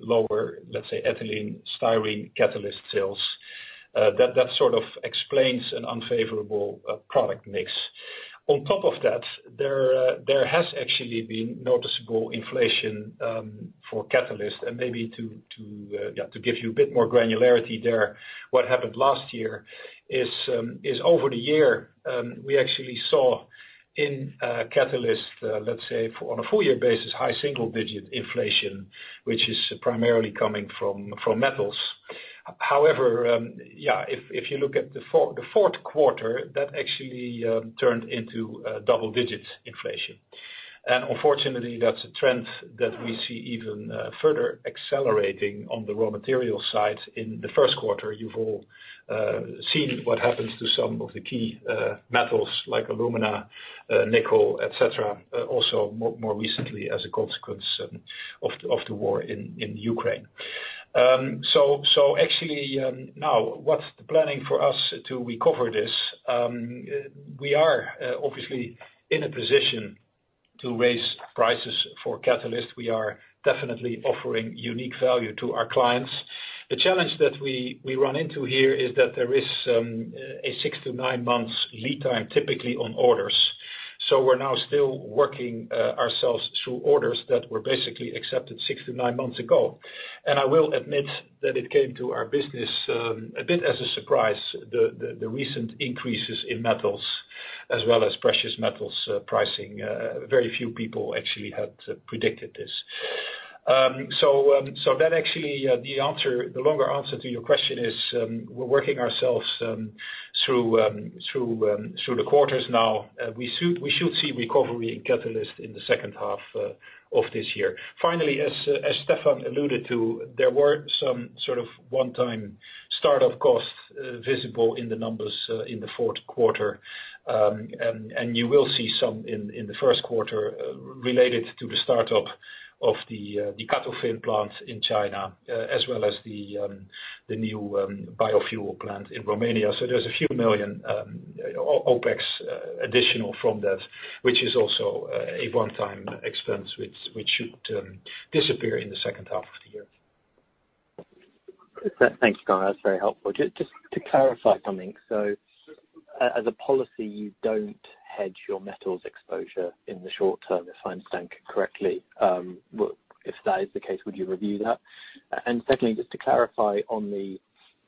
lower, let's say, ethylene styrene catalyst sales. That sort of explains an unfavorable product mix. On top of that, there has actually been noticeable inflation for Catalysis and maybe to give you a bit more granularity there, what happened last year is over the year, we actually saw in Catalysis, let's say on a full year basis, high single digit inflation, which is primarily coming from metals. However, if you look at the fourth quarter, that actually turned into double digit inflation. Unfortunately, that's a trend that we see even further accelerating on the raw material side. In the first quarter, you've all seen what happens to some of the key metals like alumina, nickel, et cetera, also more recently as a consequence of the war in Ukraine. Actually, now what's the planning for us to recover this? We are obviously in a position to raise prices for Catalyst. We are definitely offering unique value to our clients. The challenge that we run into here is that there is a six to nine months lead time typically on orders. We're now still working ourselves through orders that were basically accepted six to nine months ago. I will admit that it came to our business a bit as a surprise, the recent increases in metals as well as precious metals pricing. Very few people actually had predicted this. That actually, the answer, the longer answer to your question is, we're working ourselves through the quarters now. We should see recovery in Catalysis in the second half of this year. Finally, as Stephan alluded to, there were some one-time startup costs visible in the numbers in the fourth quarter. You will see some in the first quarter related to the startup of the CATOFIN plant in China as well as the new biofuel plant in Romania. There's a few million OpEx additional from that, which is also a one-time expense, which should disappear in the second half of the year. Thanks, Conrad. That's very helpful. Just to clarify something, as a policy, you don't hedge your metals exposure in the short term, if I understand correctly. If that is the case, would you review that? Secondly, just to clarify on the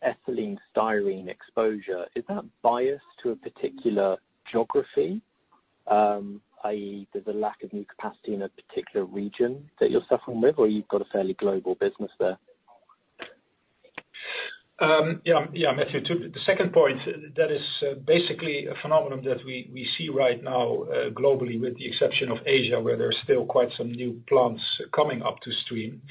ethylene styrene exposure, is that biased to a particular geography, i.e., there's a lack of new capacity in a particular region that you're suffering with, or you've got a fairly global business there? Matthew, to the second point, that is basically a phenomenon that we see right now, globally, with the exception of Asia, where there's still quite some new plants coming on stream.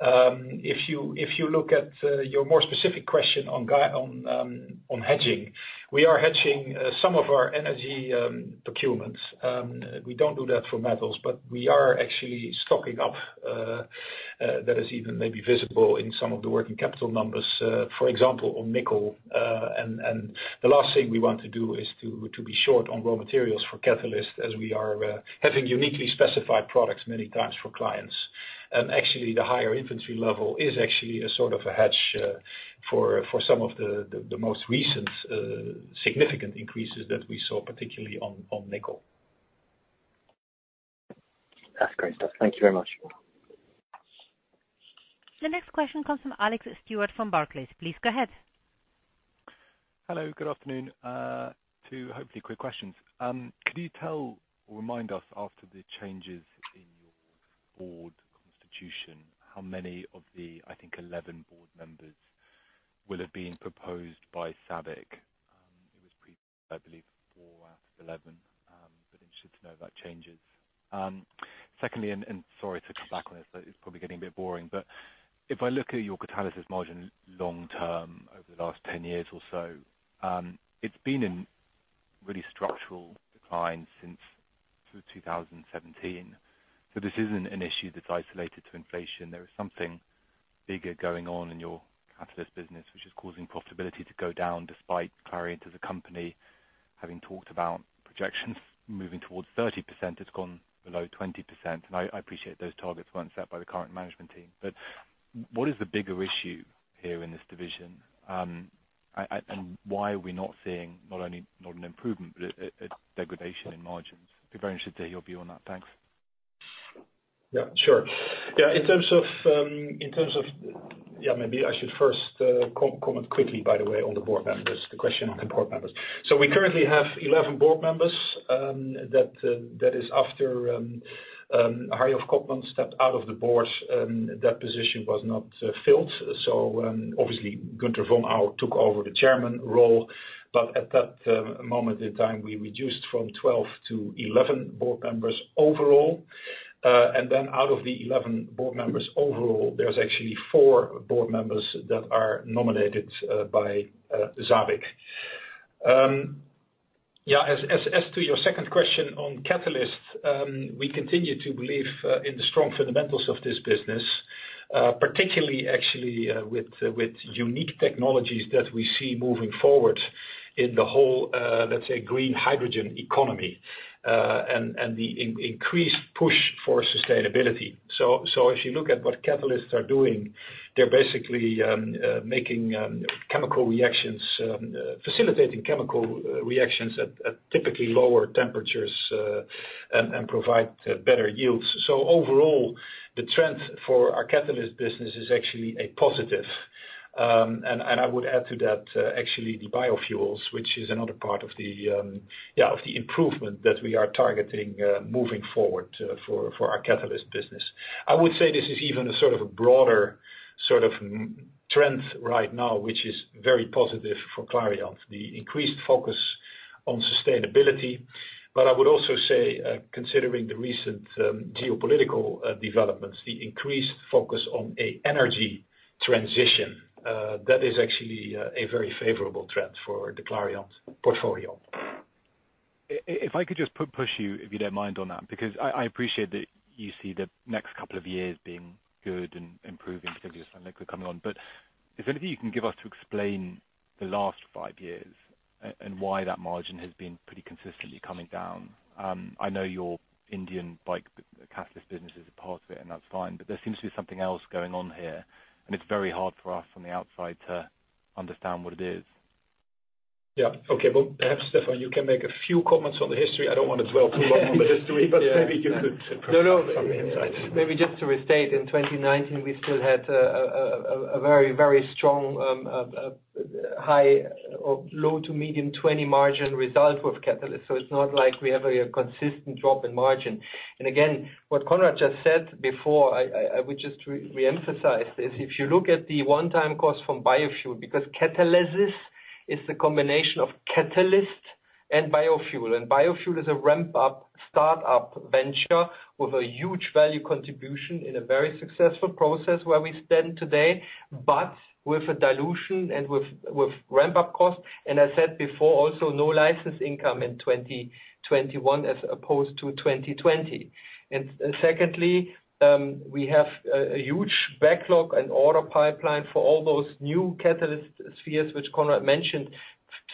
If you look at your more specific question on one, on hedging, we are hedging some of our energy procurements. We don't do that for metals, but we are actually stocking up, that is even maybe visible in some of the working capital numbers, for example, on nickel. The last thing we want to do is to be short on raw materials for catalyst, as we are having uniquely specified products many times for clients. Actually, the higher inventory level is actually a sort of a hedge for some of the most recent significant increases that we saw, particularly on nickel. That's great stuff. Thank you very much. The next question comes from Alex Stewart from Barclays. Please go ahead. Hello. Good afternoon. Two, hopefully quick questions. Could you tell or remind us, after the changes in your board composition, how many of the, I think, 11 Board Members will have been proposed by SABIC? It was previously, I believe, four out of 11, but interested to know about changes. Secondly, and sorry to come back on this, but it's probably getting a bit boring, but if I look at your Catalysis margin long term over the last 10 years or so, it's been in really structural decline since 2017. This isn't an issue that's isolated to inflation. There is something bigger going on in your Catalyst business, which is causing profitability to go down, despite Clariant as a company, having talked about projections moving towards 30%, it's gone below 20%. I appreciate those targets weren't set by the current management team. What is the bigger issue here in this division? Why are we not seeing not only an improvement, but a degradation in margins? I'd be very interested to hear your view on that. Thanks. Yeah, sure. In terms of. Yeah, maybe I should first comment quickly, by the way, on the board members, the question on the board members. We currently have 11 Board Members, that is after Hariolf Kottmann stepped out of the Board, that position was not filled. Obviously, Günter von Au took over the Chairman role. At that moment in time, we reduced from 12 to 11 Board Members overall. Out of the 11 Board Members overall, there's actually four Board Members that are nominated by SABIC. As to your second question on Catalysis, we continue to believe in the strong fundamentals of this business, particularly actually with unique technologies that we see moving forward in the whole, let's say, green hydrogen economy, and the increased push for sustainability. If you look at what catalysts are doing, they're basically facilitating chemical reactions at typically lower temperatures, and provide better yields. Overall, the trend for our Catalysis business is actually a positive. I would add to that, actually, the biofuels, which is another part of the improvement that we are targeting moving forward for our Catalysis business. I would say this is even a sort of a broader sort of trend right now, which is very positive for Clariant, the increased focus on sustainability. I would also say, considering the recent, geopolitical, developments, the increased focus on a energy transition, that is actually, a very favorable trend for the Clariant portfolio. If I could just push you, if you don't mind on that, because I appreciate that you see the next couple of years being good and improving because of your sunliquid coming on. Is there anything you can give us to explain the last five years and why that margin has been pretty consistently coming down? I know your India emission catalyst business is a part of it, and that's fine, but there seems to be something else going on here, and it's very hard for us on the outside to understand what it is. Yeah. Okay. Well, perhaps, Stephan, you can make a few comments on the history. I don't want to dwell too long on the history, but maybe you could provide from the inside. No, no. Maybe just to restate, in 2019, we still had a very strong, high- or low- to mid-20% margin result with catalyst. So it's not like we have a consistent drop in margin. What Conrad just said before, I would just reemphasize this. If you look at the one-time cost from biofuel, because Catalysis is the combination of catalyst and biofuel, and biofuel is a ramp-up, start-up venture with a huge value contribution in a very successful process where we stand today, but with a dilution and with ramp-up cost, and I said before, also no license income in 2021 as opposed to 2020. Secondly, we have a huge backlog and order pipeline for all those new catalyst spheres which Conrad mentioned,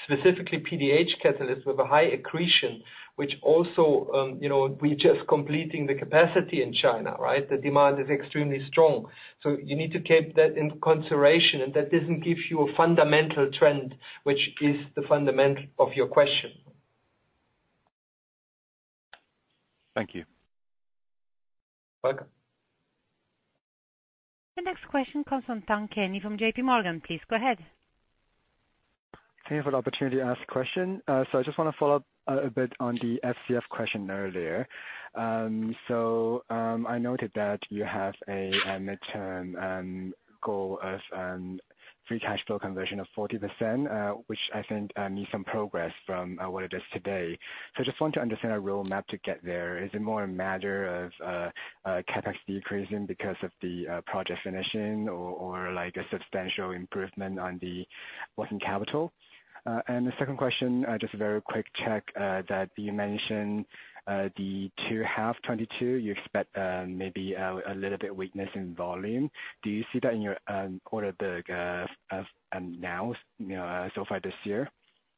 specifically PDH Catalysts with a high accretion, which also, you know, we're just completing the capacity in China, right? The demand is extremely strong. You need to keep that in consideration, and that doesn't give you a fundamental trend, which is the fundament of your question. Thank you. Welcome. The next question comes from Tang Kenny from JPMorgan. Please go ahead. Thank you for the opportunity to ask a question. I just wanna follow up a bit on the FCF question earlier. I noted that you have a midterm goal of free cash flow conversion of 40%, which I think needs some progress from what it is today. I just want to understand a roadmap to get there. Is it more a matter of CapEx decreasing because of the project finishing or like a substantial improvement on the working capital? The second question, just a very quick check, that you mentioned, the second half 2022, you expect maybe a little bit weakness in volume. Do you see that in your order book as of now, you know, so far this year?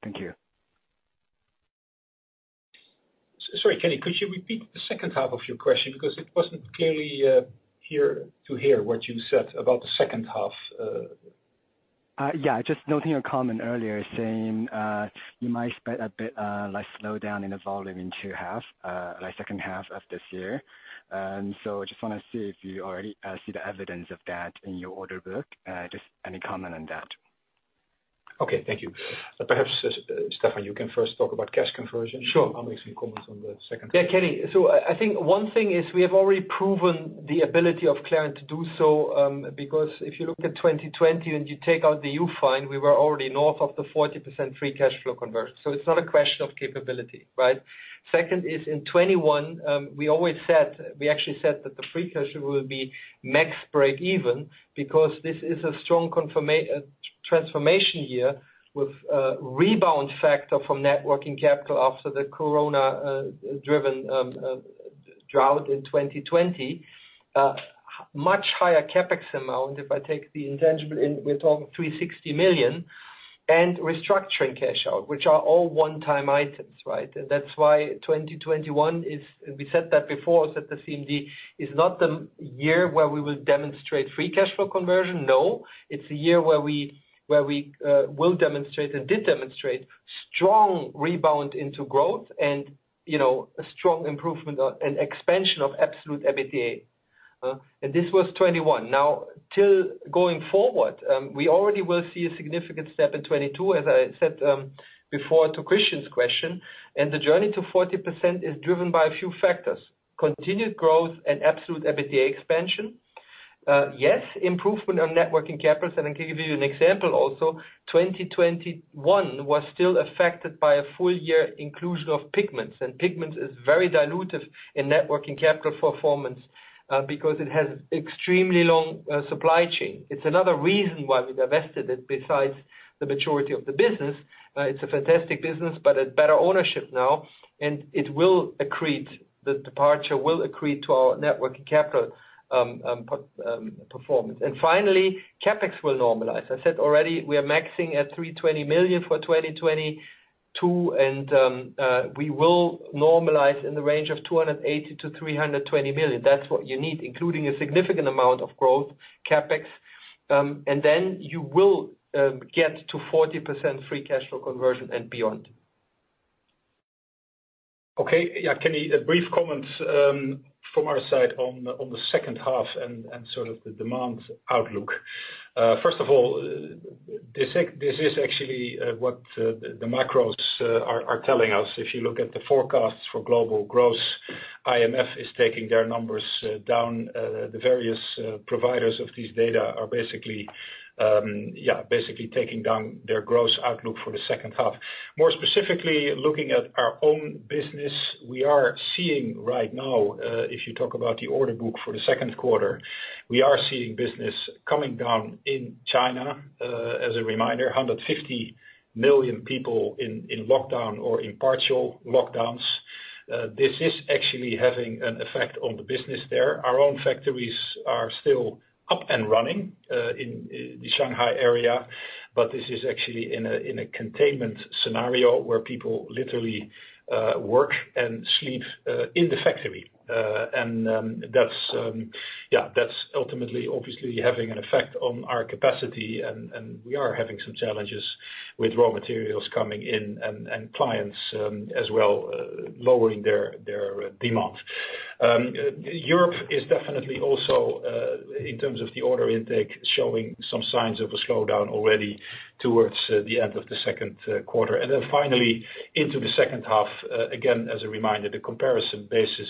Thank you. Sorry, Kenny, could you repeat the second half of your question because it wasn't clear to hear what you said about the second half. Yeah, just noting your comment earlier saying you might expect a bit like slowdown in the volume in second half of this year. I just wanna see if you already see the evidence of that in your order book. Just any comment on that. Okay, thank you. Perhaps, Stephan, you can first talk about cash conversion. Sure. I'll make some comments on the second question. Yeah, Kenny. I think one thing is we have already proven the ability of Clariant to do so, because if you look at 2020 and you take out the one-off, we were already north of the 40% free cash flow conversion. It's not a question of capability, right? Second is in 2021, we always said we actually said that the free cash flow will be max breakeven because this is a strong transformation year with a rebound factor from net working capital after the Corona-driven drought in 2020. Much higher CapEx amount, if I take the intangible in, we're talking 360 million, and restructuring cash out, which are all one-time items, right? That's why 2021 is—we said that before, said the CMD is not the year where we will demonstrate free cash flow conversion. No, it's a year where we will demonstrate and did demonstrate strong rebound into growth and, you know, a strong improvement or an expansion of absolute EBITDA. This was 2021. Now going forward, we already will see a significant step in 2022, as I said, before to Christian's question. The journey to 40% is driven by a few factors, continued growth and absolute EBITDA expansion. Yes, improvement on net working capital, and I can give you an example also. 2021 was still affected by a full year inclusion of pigments, and pigments is very dilutive in net working capital performance, because it has extremely long supply chain. It's another reason why we divested it besides the maturity of the business. It's a fantastic business, but at better ownership now, and it will accrete, the departure will accrete to our net working capital performance. Finally, CapEx will normalize. I said already we are maxing at 320 million for 2022 and we will normalize in the range of 280 million-320 million. That's what you need, including a significant amount of growth CapEx. Then you will get to 40% free cash flow conversion and beyond. Okay. Yeah, Kenny, a brief comment from our side on the second half and sort of the demand outlook. First of all, this is actually what the macros are telling us. If you look at the forecasts for global growth, IMF is taking their numbers down. The various providers of these data are basically taking down their growth outlook for the second half. More specifically, looking at our own business, we are seeing right now, if you talk about the order book for the second quarter, we are seeing business coming down in China. As a reminder, 150 million people in lockdown or in partial lockdowns. This is actually having an effect on the business there. Our own factories are still up and running in the Shanghai area, but this is actually in a containment scenario where people literally work and sleep in the factory. That's ultimately obviously having an effect on our capacity and we are having some challenges with raw materials coming in and clients as well lowering their demand. Europe is definitely also in terms of the order intake showing some signs of a slowdown already towards the end of the second quarter. Finally into the second half, again, as a reminder, the comparison basis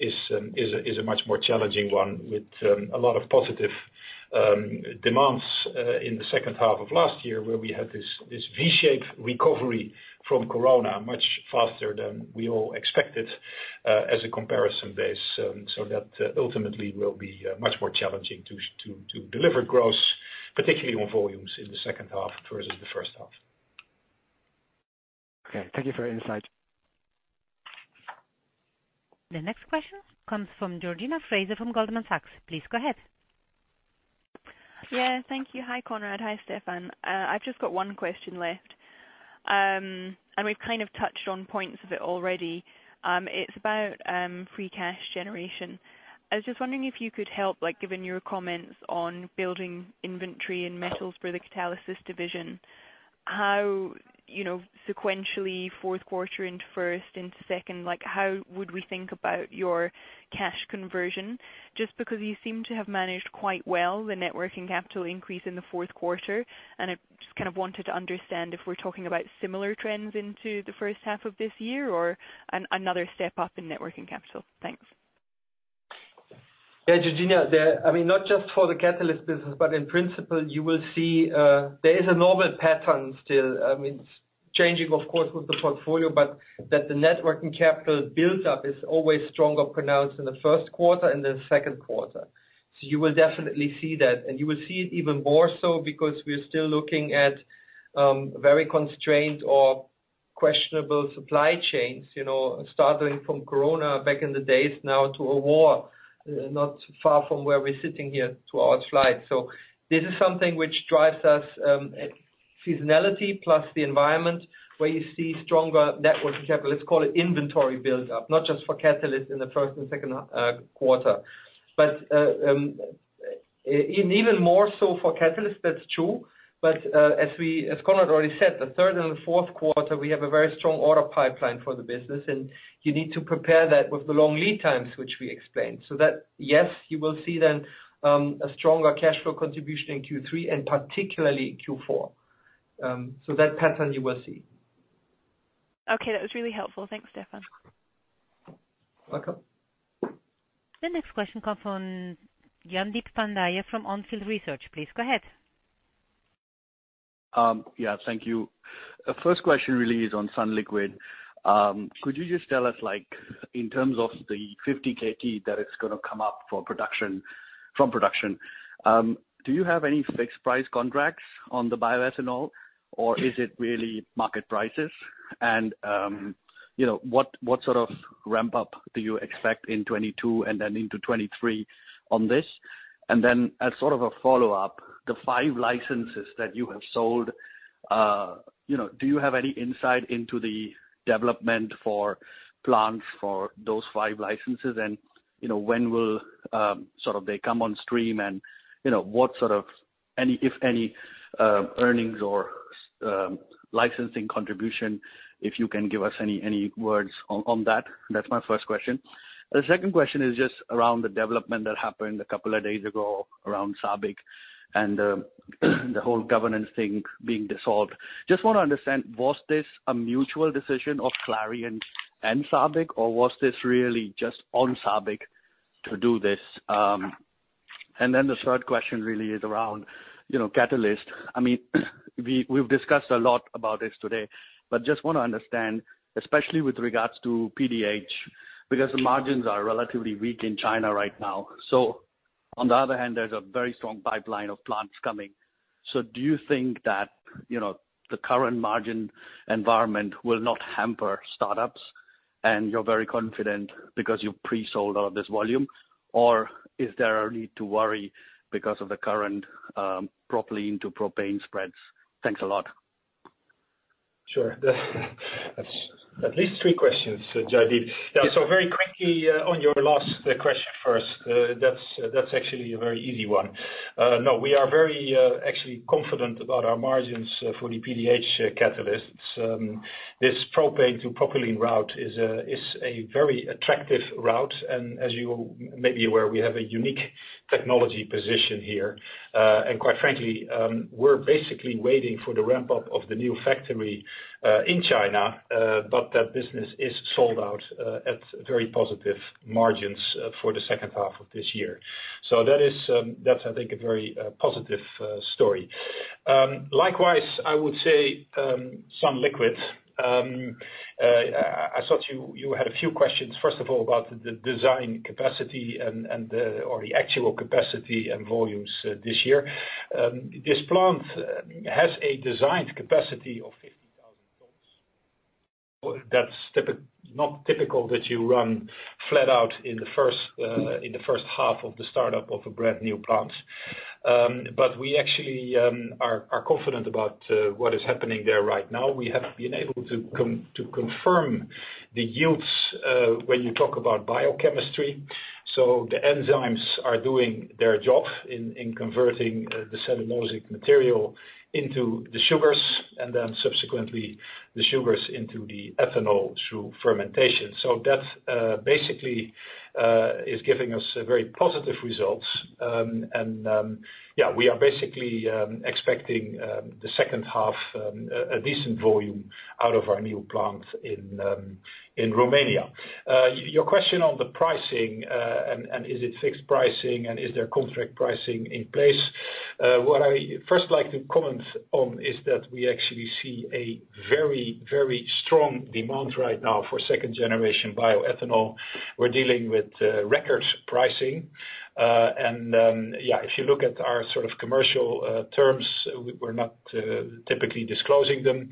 is a much more challenging one with a lot of positive one-offs in the second half of last year where we had this V-shaped recovery from Corona much faster than we all expected, as a comparison basis. That ultimately will be much more challenging to deliver growth, particularly on volumes in the second half versus the first half. Okay, thank you for your insight. The next question comes from Georgina Fraser from Goldman Sachs. Please go ahead. Yeah, thank you. Hi, Conrad. Hi, Stephan. I've just got one question left. We've kind of touched on points of it already. It's about free cash generation. I was just wondering if you could help, like, given your comments on building inventory and metals for the catalyst division, how, you know, sequentially fourth quarter into first and second, like, how would we think about your cash conversion? Just because you seem to have managed quite well the net working capital increase in the fourth quarter, and I just kind of wanted to understand if we're talking about similar trends into the first half of this year or another step up in net working capital. Thanks. Yeah, Georgina. I mean, not just for the Catalyst business, but in principle, you will see there is a normal pattern still. I mean, it's changing of course with the portfolio, but that the net working capital build up is always stronger pronounced in the first quarter and the second quarter. You will definitely see that. You will see it even more so because we're still looking at very constrained or questionable supply chains, you know, starting from Corona back in the days now to a war not far from where we're sitting here to our supply. This is something which drives our seasonality plus the environment where you see stronger net working capital, let's call it inventory build up, not just for catalyst in the first and second quarter. Even more so for Catalyst, that's true, but as Conrad already said, the third and the fourth quarter we have a very strong order pipeline for the business, and you need to prepare that with the long lead times which we explained. Yes, you will see then a stronger cash flow contribution in Q3 and particularly Q4. That pattern you will see. Okay, that was really helpful. Thanks, Stephan. Welcome. The next question comes from Jaideep Pandya from On Field Investment Research. Please go ahead. Thank you. First question really is on sunliquid. Could you just tell us, like, in terms of the 50 KT that is gonna come up for production, do you have any fixed price contracts on the bioethanol, or is it really market prices? You know, what sort of ramp up do you expect in 2022 and then into 2023 on this? As sort of a follow-up, the five licenses that you have sold, you know, do you have any insight into the development for plans for those five licenses and, you know, when will they come on stream and, you know, what sort of any, if any, earnings or licensing contribution, if you can give us any words on that? That's my first question. The second question is just around the development that happened a couple of days ago around SABIC and the whole governance thing being dissolved. Just wanna understand, was this a mutual decision of Clariant and SABIC, or was this really just on SABIC to do this? And then the third question really is around, you know, Catalyst. I mean, we've discussed a lot about this today, but just wanna understand, especially with regards to PDH, because the margins are relatively weak in China right now. So on the other hand, there's a very strong pipeline of plants coming. So do you think that, you know, the current margin environment will not hamper startups, and you're very confident because you've pre-sold all of this volume? Or is there a need to worry because of the current propylene to propane spreads? Thanks a lot. Sure. That's at least three questions, Jaideep. Yeah, so very quickly, on your last question first, that's actually a very easy one. No, we are very actually confident about our margins for the PDH Catalysts. This propane to propylene route is a very attractive route, and as you may be aware, we have a unique technology position here. Quite frankly, we're basically waiting for the ramp up of the new factory in China, but that business is sold out at very positive margins for the second half of this year. That is, that's I think a very positive story. Likewise, I would say, sunliquid. I thought you had a few questions, first of all, about the design capacity and the. The actual capacity and volumes this year. This plant has a designed capacity of 50,000 tons. That's not typical that you run flat out in the first half of the startup of a brand-new plant. But we actually are confident about what is happening there right now. We have been able to confirm the yields when you talk about biochemistry. So the enzymes are doing their job in converting the cellulosic material into the sugars, and then subsequently the sugars into the ethanol through fermentation. So that basically is giving us very positive results. Yeah, we are basically expecting, in the second half, a decent volume out of our new plant in Romania. Your question on the pricing, and is it fixed pricing and is there contract pricing in place, what I first like to comment on is that we actually see a very strong demand right now for second-generation bioethanol. We're dealing with record-setting. Yeah, if you look at our sort of commercial terms, we're not typically disclosing them,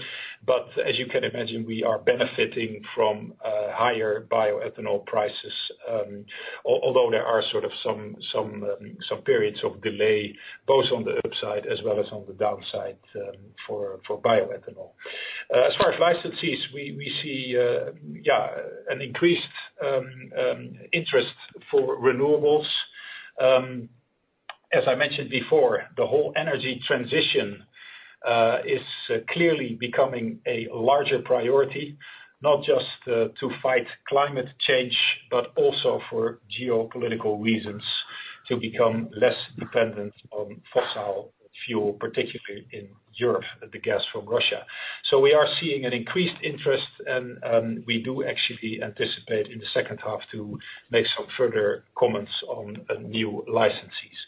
but as you can imagine, we are benefiting from higher bioethanol prices, although there are sort of some periods of delay both on the upside as well as on the downside, for bioethanol. As far as licensees, we see yeah, an increased interest for renewables. As I mentioned before, the whole energy transition is clearly becoming a larger priority, not just to fight climate change, but also for geopolitical reasons, to become less dependent on fossil fuel, particularly in Europe, the gas from Russia. We are seeing an increased interest and we do actually anticipate in the second half to make some further comments on new licensees.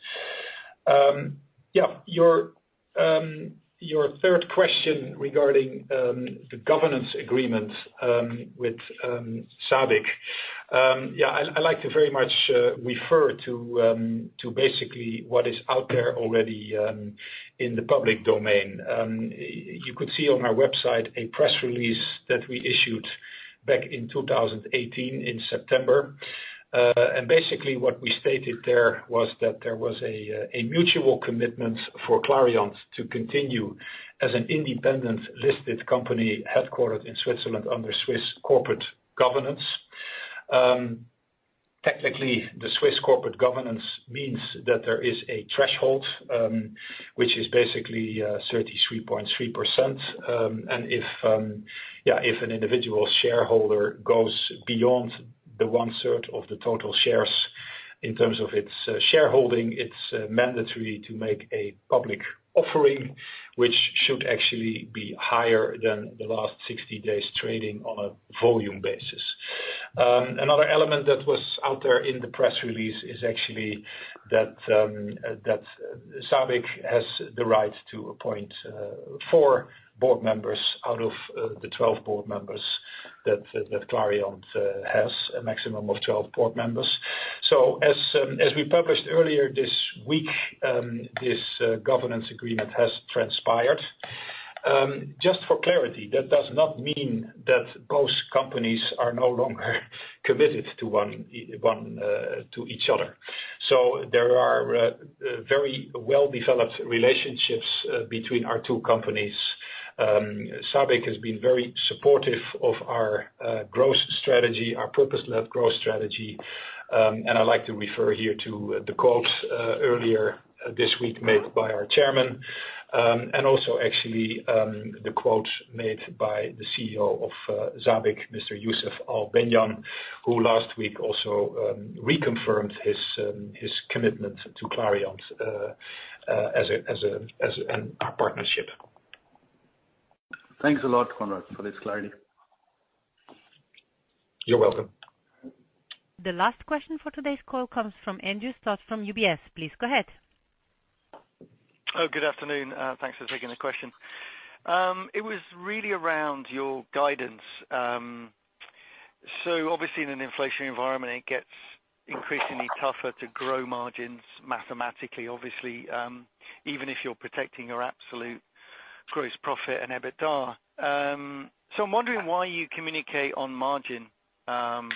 Yeah, your third question regarding the governance agreement with SABIC. Yeah, I like to very much refer to basically what is out there already in the public domain. You could see on our website a press release that we issued back in 2018, in September. Basically what we stated there was that there was a mutual commitment for Clariant to continue as an independent listed company headquartered in Switzerland under Swiss corporate governance. Technically, the Swiss corporate governance means that there is a threshold, which is basically 33.3%. If an individual shareholder goes beyond the one-third of the total shares in terms of its shareholding, it's mandatory to make a public offering, which should actually be higher than the last 60 days trading on a volume basis. Another element that was out there in the press release is actually that SABIC has the right to appoint four Board Members out of the 12 Board Members that Clariant has, a maximum of 12 Board Members. As we published earlier this week, this governance agreement has transpired. Just for clarity, that does not mean that both companies are no longer committed to each other. There are very well-developed relationships between our two companies. SABIC has been very supportive of our growth strategy, our purpose-led growth strategy. I'd like to refer here to the quotes earlier this week made by our chairman, and also actually, the quote made by the CEO of SABIC, Mr. Yousef Al-Benyan, who last week also reconfirmed his commitment to Clariant as our partnership. Thanks a lot, Conrad, for this clarity. You're welcome. The last question for today's call comes from Andrew Stott from UBS. Please go ahead. Oh, good afternoon. Thanks for taking the question. It was really around your guidance. Obviously in an inflationary environment, it gets increasingly tougher to grow margins mathematically, obviously, even if you're protecting your absolute gross profit and EBITDA. I'm wondering why you communicate on margin. I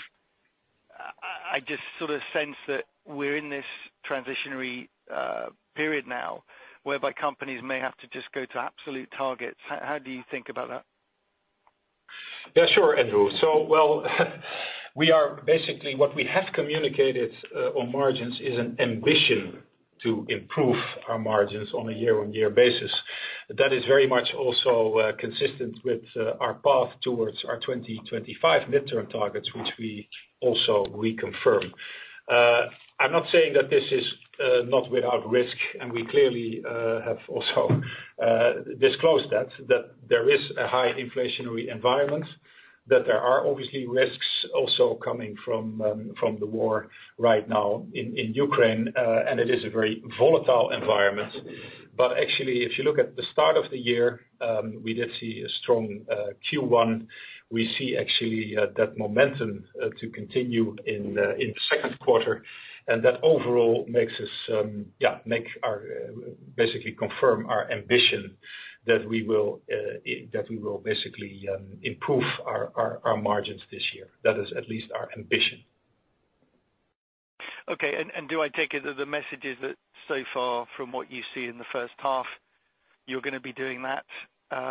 just sort of sense that we're in this transitional period now whereby companies may have to just go to absolute targets. How do you think about that? Yeah, sure, Andrew. Well, basically, what we have communicated on margins is an ambition to improve our margins on a year-on-year basis. That is very much also consistent with our path towards our 2025 midterm targets, which we also reconfirm. I'm not saying that this is not without risk, and we clearly have also disclosed that there is a high inflationary environment, that there are obviously risks also coming from the war right now in Ukraine. It is a very volatile environment. Actually, if you look at the start of the year, we did see a strong Q1. We see actually that momentum to continue in the second quarter, and that overall makes us make our. Basically confirm our ambition that we will basically improve our margins this year. That is at least our ambition. Okay. Do I take it that the message is that so far from what you see in the first half, you're gonna be doing that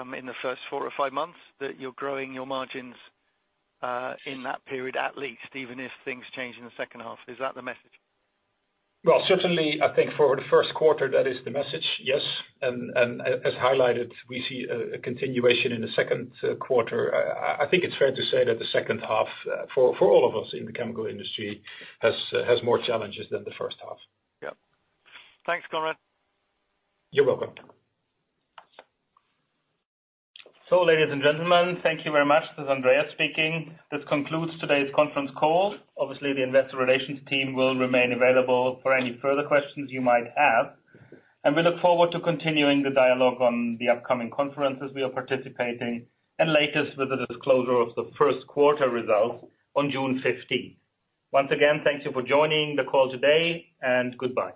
in the first four or five months, that you're growing your margins in that period at least, even if things change in the second half? Is that the message? Well, certainly I think for the first quarter, that is the message, yes. As highlighted, we see a continuation in the second quarter. I think it's fair to say that the second half for all of us in the chemical industry has more challenges than the first half. Yeah. Thanks, Conrad. You're welcome. Ladies and gentlemen, thank you very much. This is Andreas speaking. This concludes today's conference call. Obviously, the Investor Relations team will remain available for any further questions you might have, and we look forward to continuing the dialogue on the upcoming conferences we are participating, and lastly with the disclosure of the first quarter results on June 15th. Once again, thank you for joining the call today, and goodbye.